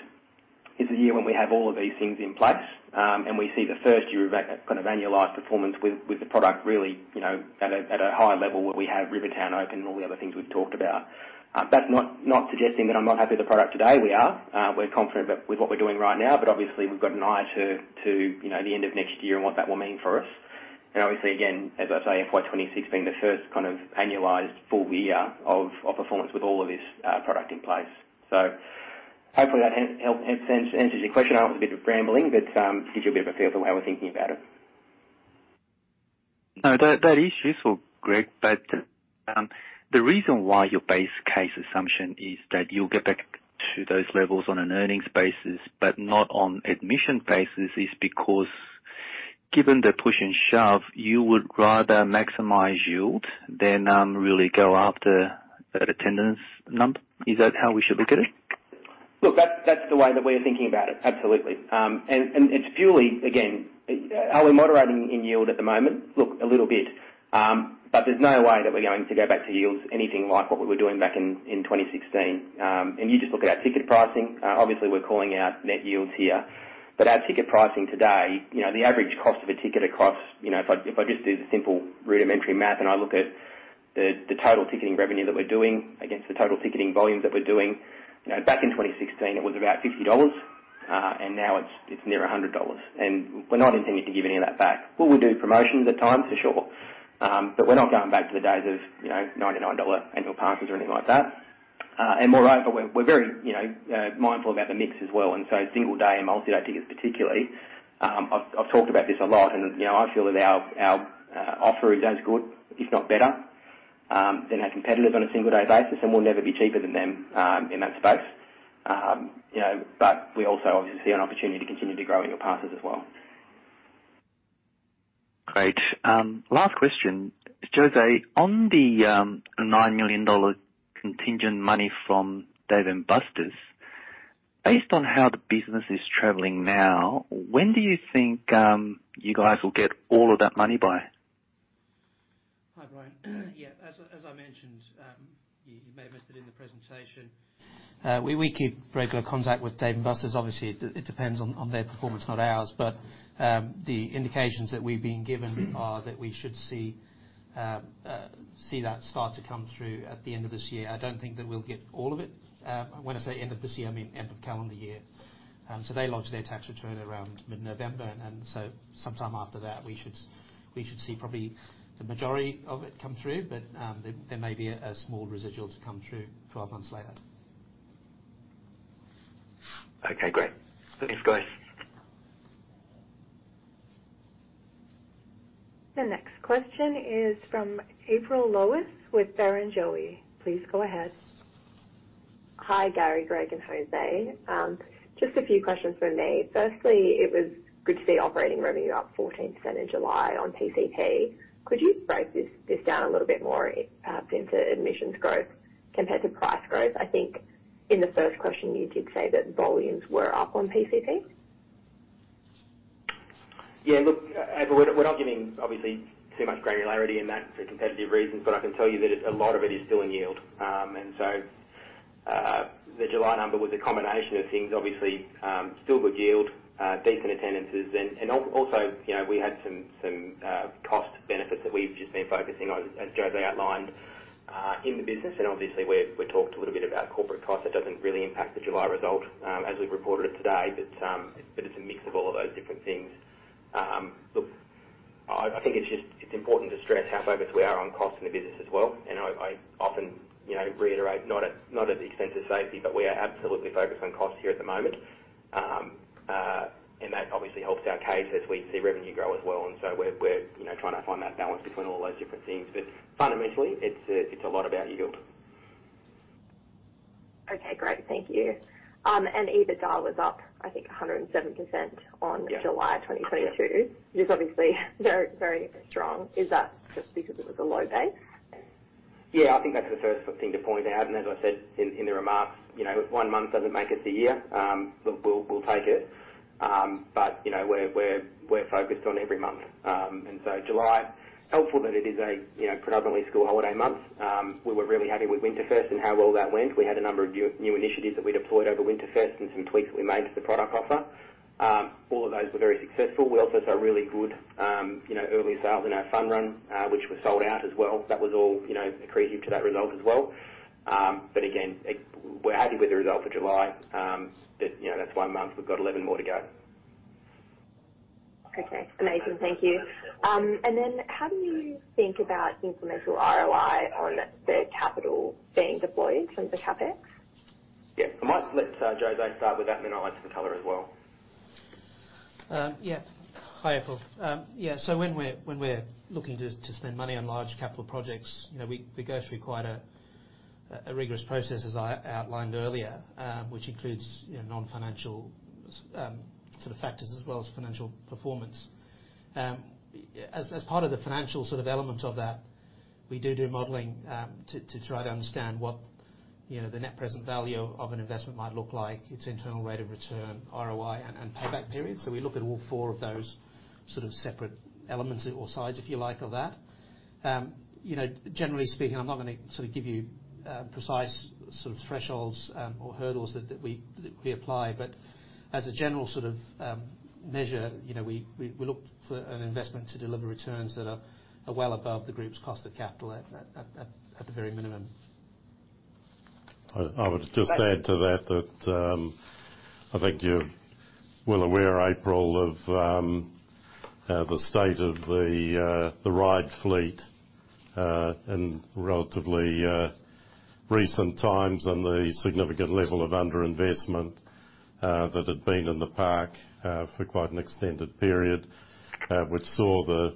Speaker 4: is the year when we have all of these things in place, and we see the first year of that kind of annualized performance with the product really, you know, at a high level, where we have Rivertown open and all the other things we've talked about. That's not suggesting that I'm not happy with the product today. We are. We're confident about with what we're doing right now, but obviously, we've got an eye to, you know, the end of next year and what that will mean for us. Obviously, again, as I say, FY 2026 being the first kind of annualized full-year of performance with all of this product in place. So hopefully that helps answer your question. It was a bit of rambling, but gives you a bit of a feel for how we're thinking about it.
Speaker 6: No, that, that is useful, Greg. But, the reason why your base case assumption is that you'll get back to those levels on an earnings basis, but not on admission basis, is because given the push and shove, you would rather maximize yield than really go after that attendance number. Is that how we should look at it?
Speaker 4: Look, that's, that's the way that we're thinking about it. Absolutely. And, and it's purely, again, are we moderating in yield at the moment? Look, a little bit, but there's no way that we're going to go back to yields anything like what we were doing back in, in 2016. And you just look at our ticket pricing. Obviously, we're calling out net yields here, but our ticket pricing today, you know, the average cost of a ticket, it costs... You know, if I, if I just do the simple rudimentary math, and I look at the, the total ticketing revenue that we're doing against the total ticketing volumes that we're doing, you know, back in 2016, it was about 50 dollars, and now it's, it's near 100 dollars, and we're not intending to give any of that back. We will do promotions at times, for sure, but we're not going back to the days of, you know, 99 dollar annual passes or anything like that. And moreover, we're very, you know, mindful about the mix as well, and so single day and multi-day tickets particularly, I've talked about this a lot and, you know, I feel that our offering is as good, if not better, than our competitors on a single day basis, and we'll never be cheaper than them, in that space. You know, but we also obviously see an opportunity to continue to grow annual passes as well.
Speaker 6: Great. Last question. Jose, on the $9 million contingent money from Dave & Buster's, based on how the business is traveling now, when do you think you guys will get all of that money by?
Speaker 3: Hi, Brian. Yeah. As I mentioned, you may have missed it in the presentation. We keep regular contact with Dave & Buster's. Obviously, it depends on their performance, not ours. But the indications that we've been given are that we should see that start to come through at the end of this year. I don't think that we'll get all of it. When I say end of this year, I mean, end of calendar year. So they lodge their tax return around mid-November, and so sometime after that, we should see probably the majority of it come through, but there may be a small residual to come through 12 months later.
Speaker 6: Okay, great. Thanks, guys.
Speaker 1: The next question is from April Lowe with Barrenjoey. Please go ahead.
Speaker 7: Hi, Gary, Greg, and Jose. Just a few questions from me. Firstly, it was good to see operating revenue up 14% in July on PCP. Could you break this down a little bit more into admissions growth compared to price growth? I think in the first question, you did say that volumes were up on PCP.
Speaker 4: Yeah, look, April, we're not giving obviously too much granularity in that for competitive reasons, but I can tell you that it's a lot of it is still in yield. And so, the July number was a combination of things, obviously, still good yield, decent attendances, and also, you know, we had some cost benefits that we've just been focusing on, as Jose outlined, in the business. And obviously, we talked a little bit about corporate costs. That doesn't really impact the July result, as we've reported it today, but it's a mix of all of those different things. Look, I think it's just important to stress how focused we are on cost in the business as well. I often, you know, reiterate, not at the expense of safety, but we are absolutely focused on cost here at the moment. And that obviously helps our case as we see revenue grow as well. And so we're, you know, trying to find that bAlance between all those different things. But fundamentally, it's a lot about yield....
Speaker 7: Okay, great. Thank you. EBITDA was up, I think, 107% on-
Speaker 4: Yeah.
Speaker 7: July 2022.
Speaker 4: Yeah.
Speaker 7: Which is obviously very, very strong. Is that just because it was a low base?
Speaker 4: Yeah, I think that's the first thing to point out, and as I said in the remarks, you know, one month doesn't make it a year. But we'll take it. But, you know, we're focused on every month. And so July, helpful that it is a, you know, predominantly school holiday month. We were really happy with Winterfest and how well that went. We had a number of new initiatives that we deployed over Winterfest, and some tweaks that we made to the product offer. All of those were very successful. We also saw really good, you know, early sales in our Fun Run, which was sold out as well. That was all, you know, accretive to that result as well. But again, we're happy with the result for July. You know, that's one month, we've got 11 more to go.
Speaker 7: Okay, amazing. Thank you. How do you think about incremental ROI on the capital being deployed from the CapEx?
Speaker 4: Yeah. I might let Jose start with that, and then I'll add some color as well.
Speaker 3: Yeah. Hi, April. Yeah, so when we're looking to spend money on large capital projects, you know, we go through quite a rigorous process, as I outlined earlier, which includes, you know, non-financial sort of factors as well as financial performance. As part of the financial sort of element of that, we do modeling to try to understand what, you know, the net present value of an investment might look like, its internal rate of return, ROI, and payback period. So we look at all four of those sort of separate elements or sides, if you like, of that. You know, generally speaking, I'm not gonna sort of give you precise sort of thresholds or hurdles that we apply, but as a general sort of measure, you know, we look for an investment to deliver returns that are well above the group's cost of capital at the very minimum.
Speaker 2: I would just add to that, that I think you're well aware, April, of the state of the ride fleet in relatively recent times, and the significant level of underinvestment that had been in the park for quite an extended period, which saw the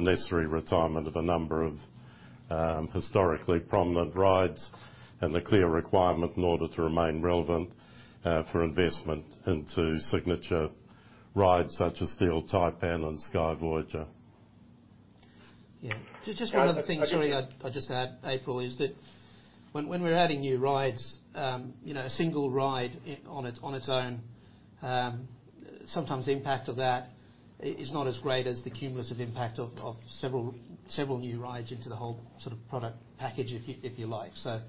Speaker 2: necessary retirement of a number of historically prominent rides, and the clear requirement in order to remain relevant for investment into signature rides such as Steel Taipan and Sky Voyager.
Speaker 3: Yeah. Just, just one other thing, sorry, I'd just add, April, is that when, when we're adding new rides, you know, a single ride on its, on its own, sometimes the impact of that is not as great as the cumulative impact of, of several, several new rides into the whole sort of product package, if you, if you like. So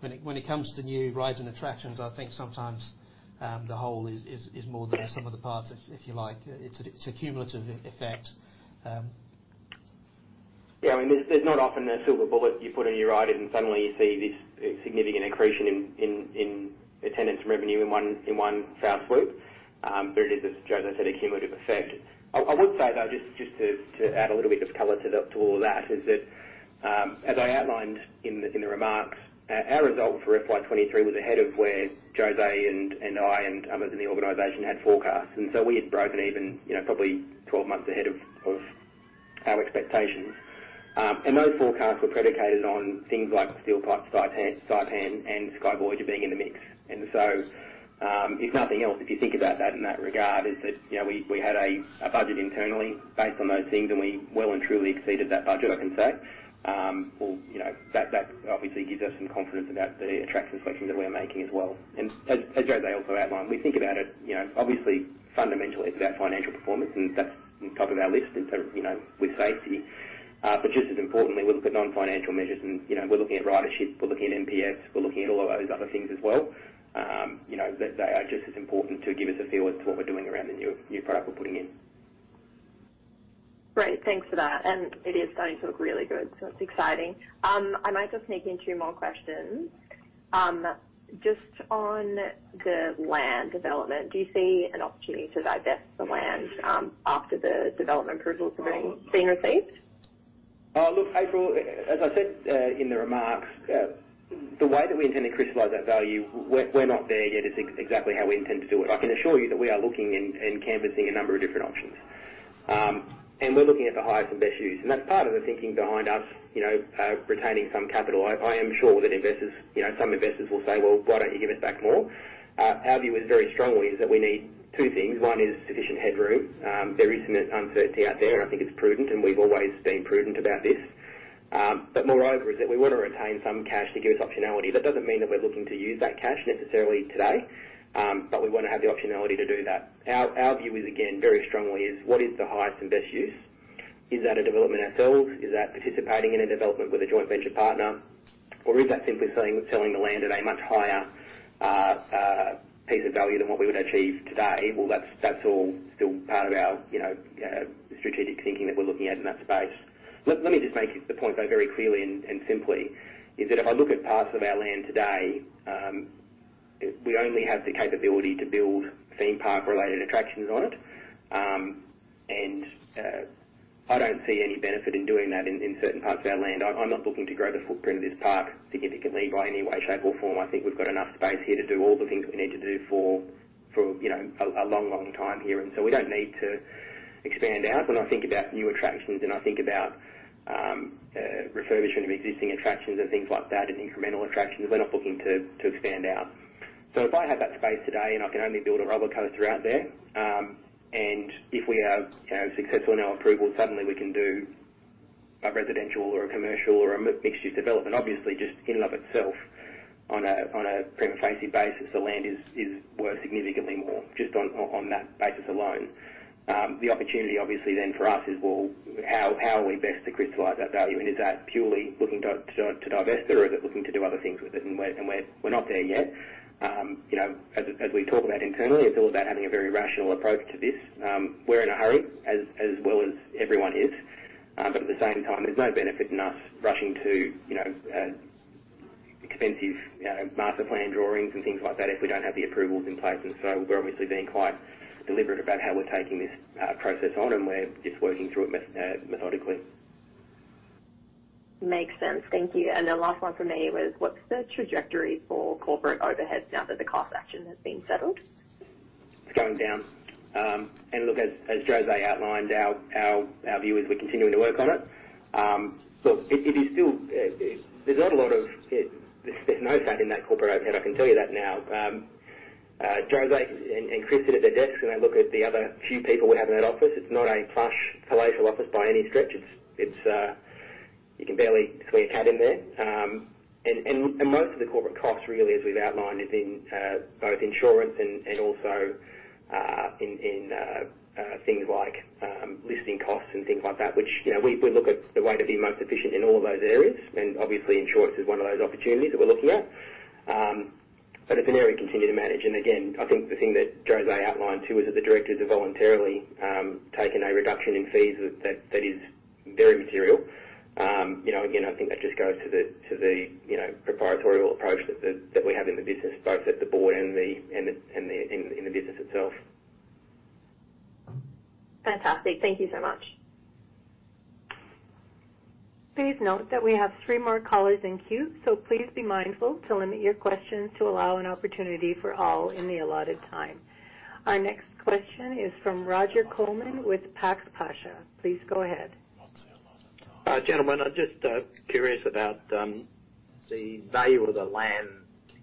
Speaker 3: when it, when it comes to new rides and attractions, I think sometimes, the whole is, is, is more than the sum of the parts, if, if you like. It's a, it's a cumulative effect.
Speaker 4: Yeah, I mean, there's not often a silver bullet you put in your rides and suddenly you see this significant accretion in attendance revenue in one fell swoop. But it is, as Jose said, a cumulative effect. I would say, though, just to add a little bit of color to all of that, is that, as I outlined in the remarks, our results for FY 2023 was ahead of where Jose and I and others in the organization had forecast. And so we had broken even, you know, probably 12 months ahead of our expectations. And those forecasts were predicated on things like Steel Taipan and Sky Voyager being in the mix. And so, if nothing else, if you think about that in that regard, is that, you know, we had a budget internally based on those things, and we well and truly exceeded that budget, I can say. Well, you know, that obviously gives us some confidence about the attractions selections that we're making as well. And as Jose also outlined, we think about it, you know, obviously fundamentally it's about financial performance, and that's the top of our list, and so, you know, with safety. But just as importantly, we look at non-financial measures and, you know, we're looking at ridership, we're looking at NPS, we're looking at all of those other things as well. You know, they are just as important to give us a feel as to what we're doing around the new product we're putting in.
Speaker 7: Great, thanks for that, and it is starting to look really good, so it's exciting. I might just sneak in two more questions. Just on the land development, do you see an opportunity to divest the land, after the development approvals have been received?
Speaker 4: Look, April, as I said, in the remarks, the way that we intend to crystallize that value, we're not there yet, is exactly how we intend to do it. I can assure you that we are looking and canvassing a number of different options. And we're looking at the highest and best use, and that's part of the thinking behind us, you know, retaining some capital. I am sure that investors, you know, some investors will say, "Well, why don't you give us back more?" Our view is very strongly is that we need two things. One is sufficient headroom. There is some uncertainty out there, and I think it's prudent, and we've always been prudent about this. But moreover, is that we want to retain some cash to give us optionality. That doesn't mean that we're looking to use that cash necessarily today, but we want to have the optionality to do that. Our, our view is, again, very strongly is what is the highest and best use? Is that a development ourselves? Is that participating in a development with a joint venture partner, or is that simply selling, selling the land at a much higher, piece of value than what we would achieve today? Well, that's, that's all still part of our, you know, strategic thinking that we're looking at in that space. Let, let me just make the point, though, very clearly and, and simply, is that if I look at parts of our land today, we only have the capability to build theme park-related attractions on it. and I don't see any benefit in doing that in certain parts of our land. I'm not looking to grow the footprint of this park significantly by any way, shape, or form. I think we've got enough space here to do all the things we need to do for you know a long long time here, and so we don't need to expand out when I think about new attractions and I think about refurbishment of existing attractions and things like that, and incremental attractions, we're not looking to expand out. So if I have that space today and I can only build a roller coaster out there, and if we are you know successful in our approval, suddenly we can do a residential or a commercial or a mixture development. Obviously, just in and of itself, on a prima facie basis, the land is worth significantly more just on that basis alone. The opportunity obviously then for us is, well, how are we best to crystallize that value? And is that purely looking to divest it, or is it looking to do other things with it? And we're not there yet. You know, as we talk about internally, it's all about having a very rational approach to this. We're in a hurry, as well as everyone is, but at the same time, there's no benefit in us rushing to, you know, expensive, you know, master plan drawings and things like that if we don't have the approvals in place. And so we're obviously being quite deliberate about how we're taking this process on, and we're just working through it methodically.
Speaker 7: Makes sense. Thank you. The last one from me was, what's the trajectory for corporate overheads now that the class action has been settled?
Speaker 4: It's going down. Look, as Jose outlined, our view is we're continuing to work on it. Look, it is still, there's not a lot of... There's no fat in that corporate overhead, I can tell you that now. Jose and Chris sit at their desks, and I look at the other few people we have in that office. It's not a plush, palatial office by any stretch. It's you can barely swing a cat in there. And most of the corporate costs, really, as we've outlined, is in both insurance and also in things like listing costs and things like that, which, you know, we look at the way to be most efficient in all of those areas, and obviously, insurance is one of those opportunities that we're looking at. But it's an area we continue to manage. And again, I think the thing that Jose outlined, too, is that the directors have voluntarily taken a reduction in fees that is very material. You know, again, I think that just goes to the, to the, you know, proprietary approach that we have in the business, both at the board and the in the business itself.
Speaker 7: Fantastic. Thank you so much.
Speaker 1: Please note that we have three more callers in queue, so please be mindful to limit your questions to allow an opportunity for all in the allotted time. Our next question is from Roger Colman with Pax Pasha. Please go ahead.
Speaker 2: What's the allotted time?
Speaker 8: Gentlemen, I'm just curious about the value of the land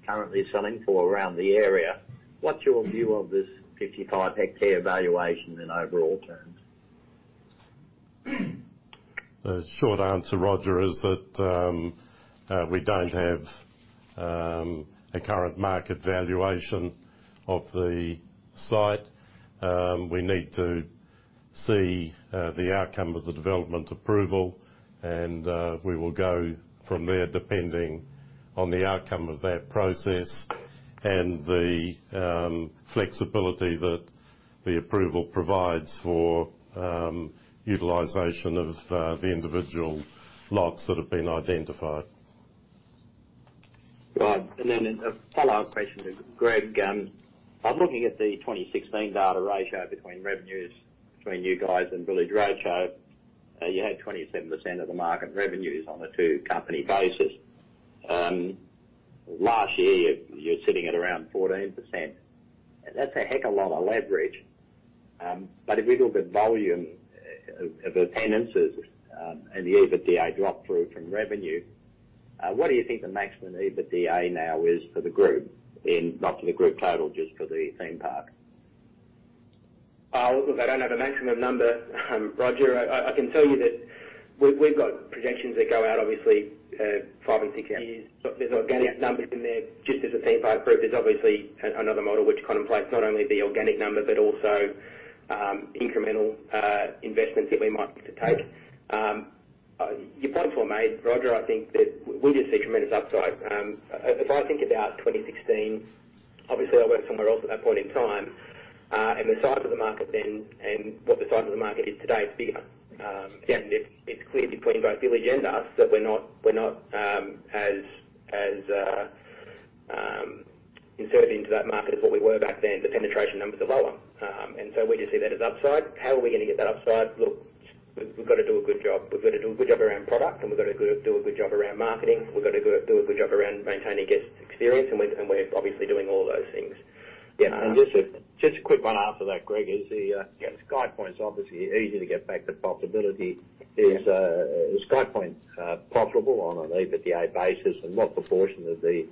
Speaker 8: currently selling for around the area. What's your view of this 55 hectare valuation in overall terms?
Speaker 2: The short answer, Roger, is that we don't have a current market valuation of the site. We need to see the outcome of the development approval, and we will go from there, depending on the outcome of that process and the flexibility that the approval provides for utilization of the individual lots that have been identified.
Speaker 8: Right. And then a follow-up question to Greg. I'm looking at the 2016 data ratio between revenues between you guys and Village Roadshow. You had 27% of the market revenues on a two-company basis. Last year, you're sitting at around 14%. That's a heck of a lot of leverage. But if we look at volume of attendances, and the EBITDA drop through from revenue, what do you think the maximum EBITDA now is for the group in, not for the group total, just for the theme park?
Speaker 4: Oh, look, I don't have a maximum number, Roger. I, I can tell you that we've, we've got projections that go out, obviously, five and six years. So there's organic numbers in there. Just as a theme park group, there's obviously another model which contemplates not only the organic number but also, incremental, investments that we might look to take. Your point well made, Roger, I think that we just see tremendous upside. If, if I think about 2016, obviously I worked somewhere else at that point in time, and the size of the market then and what the size of the market is today is bigger. Again, it's, it's clear between both Village and us, that we're not, we're not, as, as, invested into that market as what we were back then. The penetration numbers are lower. And so we just see that as upside. How are we gonna get that upside? Look, we've got to do a good job. We've got to do a good job around product, and we've got to do a good job around marketing. We've got to do a good job around maintaining guest experience, and we're obviously doing all those things.
Speaker 8: Yeah. Just a quick one after that, Greg, is the-
Speaker 4: Yeah.
Speaker 8: SkyPoint's obviously easy to get back to profitability.
Speaker 4: Yeah.
Speaker 8: Is SkyPoint profitable on an EBITDA basis? And what proportion of the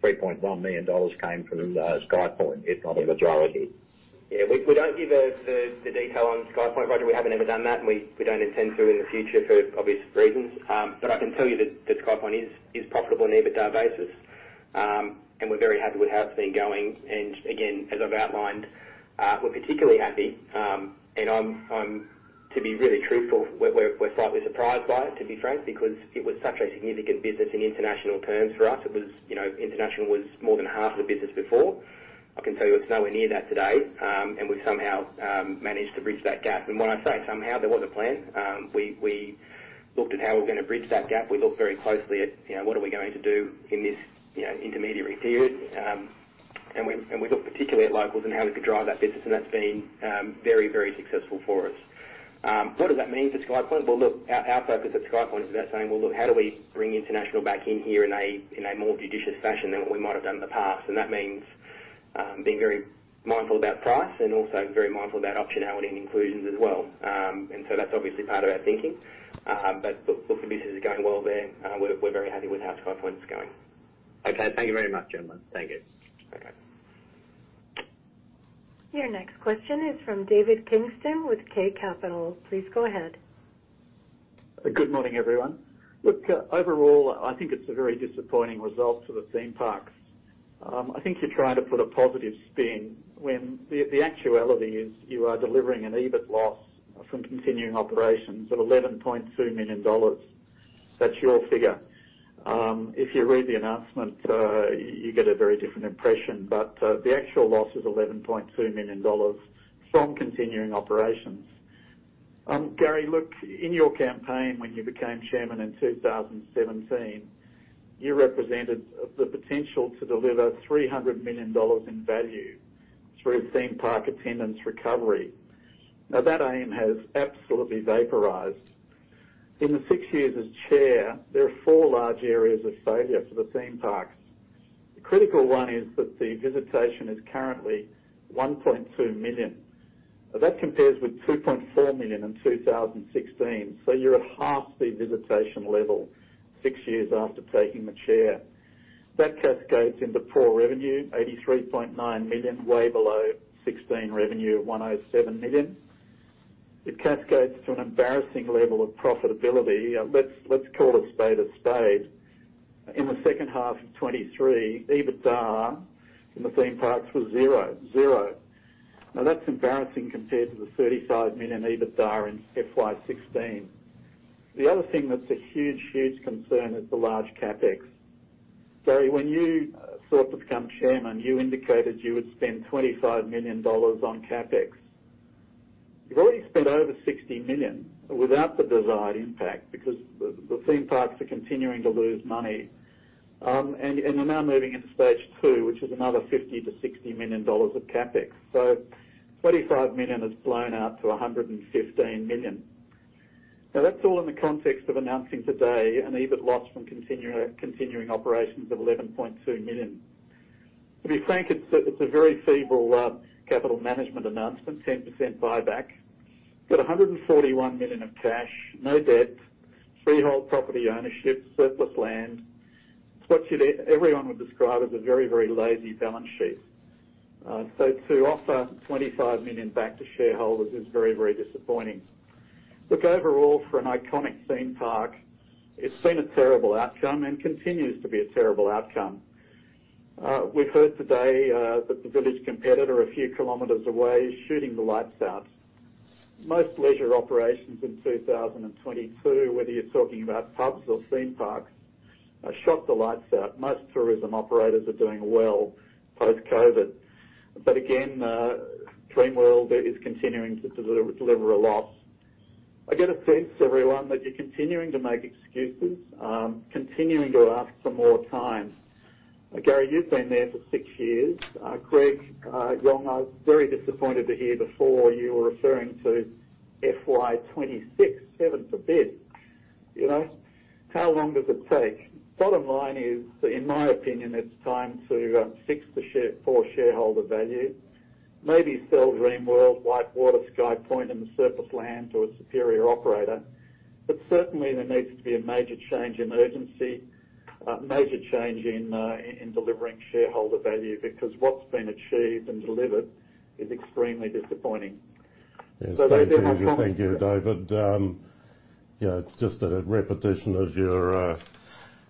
Speaker 8: 3.1 million dollars came from SkyPoint, if not a majority?
Speaker 4: Yeah, we don't give the detail on SkyPoint, Roger. We haven't ever done that, and we don't intend to in the future for obvious reasons. But I can tell you that SkyPoint is profitable on an EBITDA basis. And we're very happy with how it's been going. And again, as I've outlined, we're particularly happy, and I'm to be really truthful, we're slightly surprised by it, to be frank, because it was such a significant business in international terms for us. It was, you know, international was more than half of the business before. I can tell you it's nowhere near that today, and we've somehow managed to bridge that gap. And when I say somehow, there was a plan. We looked at how we're gonna bridge that gap. We looked very closely at, you know, what are we going to do in this, you know, intermediary period? And we, and we looked particularly at locals and how we could drive that business, and that's been, very, very successful for us. What does that mean for SkyPoint? Well, look, our, our focus at SkyPoint is about saying: "Well, look, how do we bring international back in here in a, in a more judicious fashion than what we might have done in the past?" And that means-...
Speaker 9: being very mindful about price and also very mindful about optionality and inclusions as well. And so that's obviously part of our thinking. But look, the business is going well there. We're, we're very happy with how SkyPoint is going.
Speaker 8: Okay. Thank you very much, gentlemen. Thank you.
Speaker 9: Bye-bye.
Speaker 1: Your next question is from David Kingston with K Capital. Please go ahead.
Speaker 10: Good morning, everyone. Look, overall, I think it's a very disappointing result for the theme parks. I think you're trying to put a positive spin when the actuality is you are delivering an EBIT loss from continuing operations of 11.2 million dollars. That's your figure. If you read the announcement, you get a very different impression, but the actual loss is 11.2 million dollars from continuing operations. Gary, look, in your campaign when you became chairman in 2017, you represented the potential to deliver 300 million dollars in value through theme park attendance recovery. Now, that aim has absolutely vaporized. In the six years as chair, there are four large areas of failure for the theme parks. The critical one is that the visitation is currently 1.2 million. Now, that compares with 2.4 million in 2016, so you're at half the visitation level six years after taking the chair. That cascades into poor revenue, 83.9 million, way below 2016 revenue of 107 million. It cascades to an embarrassing level of profitability. Let's call a spade a spade. In the second half of 2023, EBITDA in the theme parks was 0. 0. Now, that's embarrassing compared to the 35 million EBITDA in FY 2016. The other thing that's a huge, huge concern is the large CapEx. Gary, when you sought to become chairman, you indicated you would spend 25 million dollars on CapEx. You've already spent over 60 million without the desired impact, because the theme parks are continuing to lose money. You're now moving into stage two, which is another 50 million-60 million dollars of CapEx. So 25 million has blown out to 115 million. Now, that's all in the context of announcing today an EBIT loss from continuing operations of 11.2 million. To be frank, it's a very feeble capital management announcement, 10% buyback. You've got 141 million of cash, no debt, freehold property ownership, surplus land. It's what you'd everyone would describe as a very, very lazy bAlance sheet. So to offer 25 million back to shareholders is very, very disappointing. Look, overall, for an iconic theme park, it's been a terrible outcome and continues to be a terrible outcome. We've heard today that the village competitor a few kilometers away is shooting the lights out. Most leisure operations in 2022, whether you're talking about pubs or theme parks, shut the lights out. Most tourism operators are doing well post-COVID, but again, Dreamworld is continuing to deliver a loss. I get a sense, everyone, that you're continuing to make excuses, continuing to ask for more time. Gary, you've been there for six years. Greg Yong, I was very disappointed to hear before you were referring to FY 2026. Heaven forbid, you know? How long does it take? Bottom line is, in my opinion, it's time to fix the poor shareholder value. Maybe sell Dreamworld, WhiteWater, SkyPoint, and the surplus land to a superior operator. But certainly there needs to be a major change in urgency, a major change in delivering shareholder value, because what's been achieved and delivered is extremely disappointing.
Speaker 2: Yes, thank you. Thank you, David. Yeah, just a repetition of your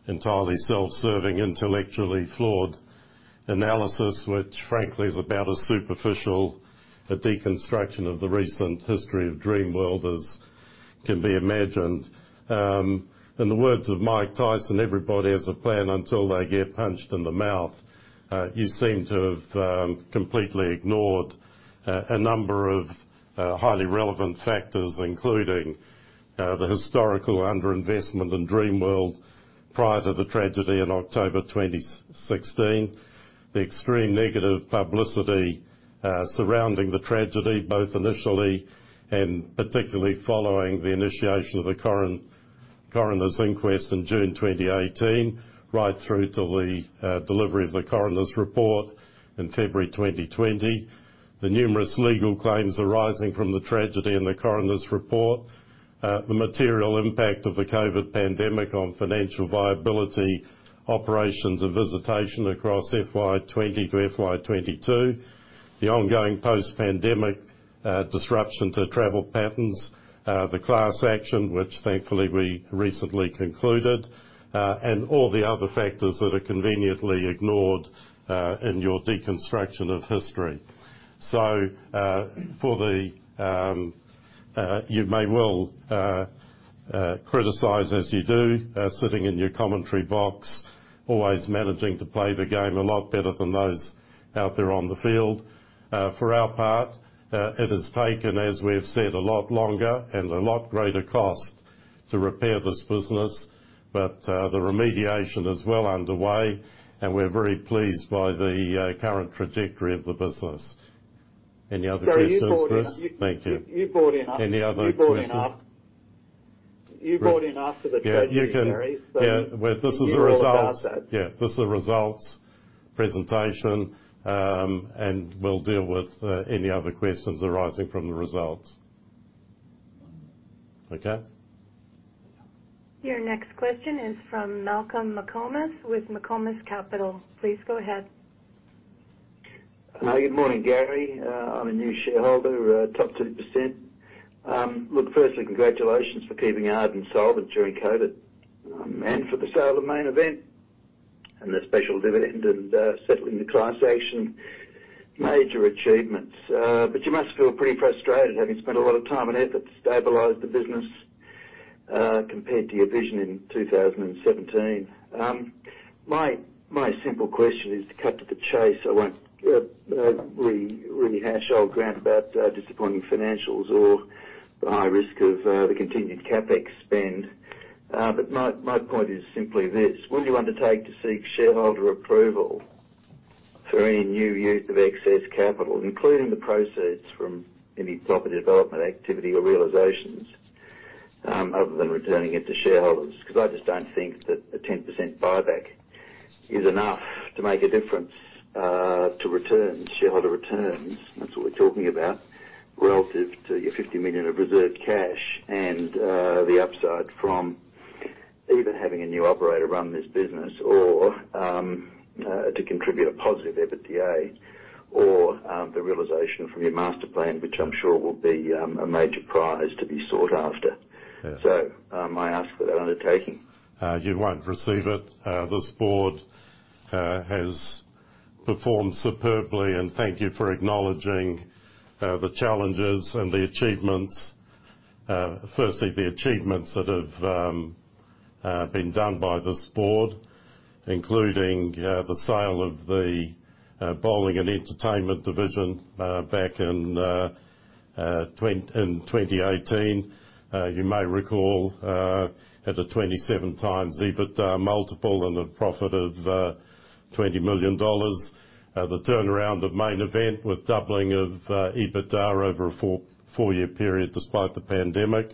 Speaker 2: entirely self-serving, intellectually flawed analysis, which frankly, is about as superficial a deconstruction of the recent history of Dreamworld as can be imagined. In the words of Mike Tyson, "Everybody has a plan until they get punched in the mouth." You seem to have completely ignored a number of highly relevant factors, including the historical underinvestment in Dreamworld prior to the tragedy in October 2016. The extreme negative publicity surrounding the tragedy, both initially and particularly following the initiation of the current coroner's inquest in June 2018, right through to the delivery of the coroner's report in February 2020. The numerous legal claims arising from the tragedy and the coroner's report, the material impact of the COVID pandemic on financial viability, operations and visitation across FY 2020 to FY 2022, the ongoing post-pandemic disruption to travel patterns, the class action, which thankfully we recently concluded, and all the other factors that are conveniently ignored in your deconstruction of history. So, for the... You may well criticize, as you do, sitting in your commentary box, always managing to play the game a lot better than those out there on the field. For our part, it has taken, as we've said, a lot longer and a lot greater cost to repair this business, but the remediation is well underway, and we're very pleased by the current trajectory of the business. Any other questions, Chris?
Speaker 10: Gary, you've bought enough-
Speaker 2: Thank you.
Speaker 10: You've bought enough.
Speaker 2: Any other questions? You brought in after the trade, Gary. Yeah, well, this is the results. You're all about that. Yeah, this is the results presentation, and we'll deal with any other questions arising from the results. Okay?
Speaker 1: Your next question is from Malcolm McComas with McComas Capital. Please go ahead.
Speaker 11: Good morning, Gary. I'm a new shareholder, top 2%. Look, firstly, congratulations for keeping Ardent solvent during COVID, and for the sale of Main Event and the special dividend and, settling the class action. Major achievements. But you must feel pretty frustrated, having spent a lot of time and effort to stabilize the business, compared to your vision in 2017. My simple question is to cut to the chase, I won't rehash old ground about disappointing financials or the high risk of the continued CapEx spend. But my point is simply this: will you undertake to seek shareholder approval for any new use of excess capital, including the proceeds from any property development activity or realizations, other than returning it to shareholders? Because I just don't think that a 10% buyback is enough to make a difference, to returns, shareholder returns, that's what we're talking about, relative to your 50 million of reserved cash and, the upside from either having a new operator run this business or, to contribute a positive EBITDA or, the realization from your master plan, which I'm sure will be, a major prize to be sought after.
Speaker 2: Yeah.
Speaker 11: I ask for that undertaking.
Speaker 2: You won't receive it. This board has performed superbly, and thank you for acknowledging the challenges and the achievements. Firstly, the achievements that have been done by this board, including the sale of the Bowling and Entertainment division back in 2018. You may recall at a 27x EBITDA multiple and a profit of $20 million. The turnaround of Main Event, with doubling of EBITDA over a four-year period, despite the pandemic.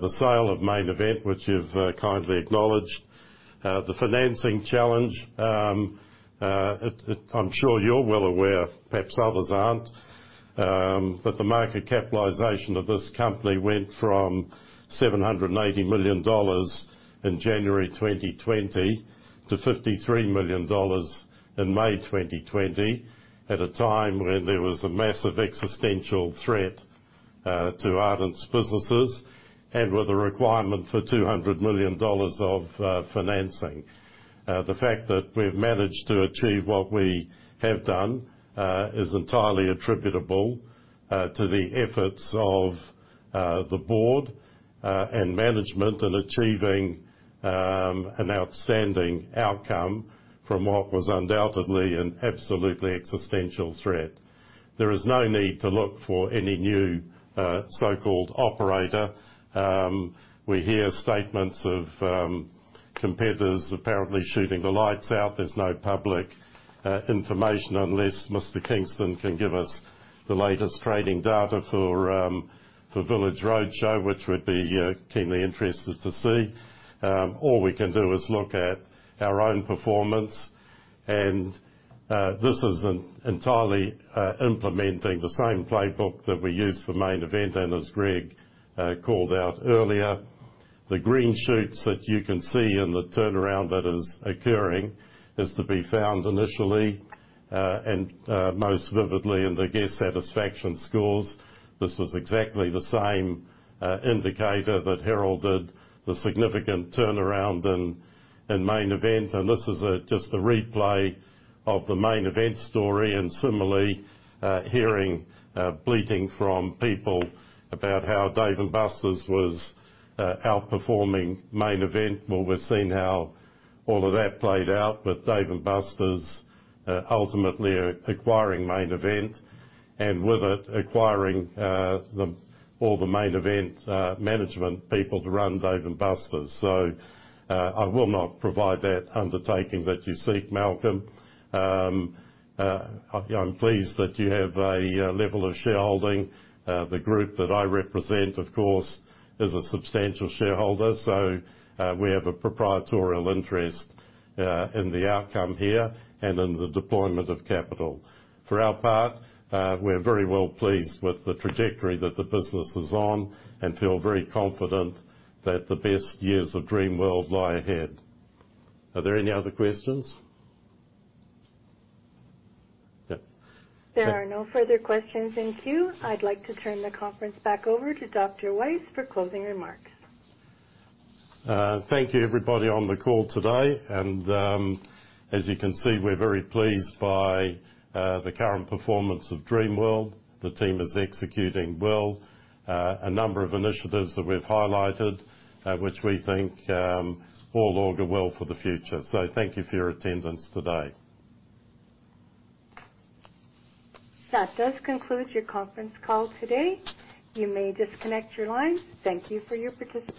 Speaker 2: The sale of Main Event, which you've kindly acknowledged. The financing challenge, it—I'm sure you're well aware, perhaps others aren't, but the market capitalization of this company went from 780 million dollars in January 2020 to 53 million dollars in May 2020, at a time when there was a massive existential threat to Ardent's businesses and with a requirement for 200 million dollars of financing. The fact that we've managed to achieve what we have done is entirely attributable to the efforts of the board and management in achieving an outstanding outcome from what was undoubtedly an absolutely existential threat. There is no need to look for any new so-called operator. We hear statements of competitors apparently shooting the lights out. There's no public information, unless Mr. Kingston can give us the latest trading data for Village Roadshow, which we'd be keenly interested to see. All we can do is look at our own performance, and this is entirely implementing the same playbook that we used for Main Event, and as Greg called out earlier, the green shoots that you can see and the turnaround that is occurring is to be found initially and most vividly in the guest satisfaction scores. This was exactly the same indicator that heralded the significant turnaround in Main Event, and this is just a replay of the Main Event story. And similarly, hearing bleating from people about how Dave & Buster's was outperforming Main Event. Well, we've seen how all of that played out, with Dave & Buster's ultimately acquiring Main Event, and with it, acquiring all the Main Event management people to run Dave & Buster's. So, I will not provide that undertaking that you seek, Malcolm. I'm pleased that you have a level of shareholding. The group that I represent, of course, is a substantial shareholder, so we have a proprietorial interest in the outcome here and in the deployment of capital. For our part, we're very well pleased with the trajectory that the business is on and feel very confident that the best years of Dreamworld lie ahead. Are there any other questions? Yeah.
Speaker 1: There are no further questions in queue. I'd like to turn the conference back over to Dr Weiss for closing remarks.
Speaker 2: Thank you, everybody, on the call today. As you can see, we're very pleased by the current performance of Dreamworld. The team is executing well. A number of initiatives that we've highlighted, which we think all augur well for the future. Thank you for your attendance today.
Speaker 1: That does conclude your conference call today. You may disconnect your lines. Thank you for your participation.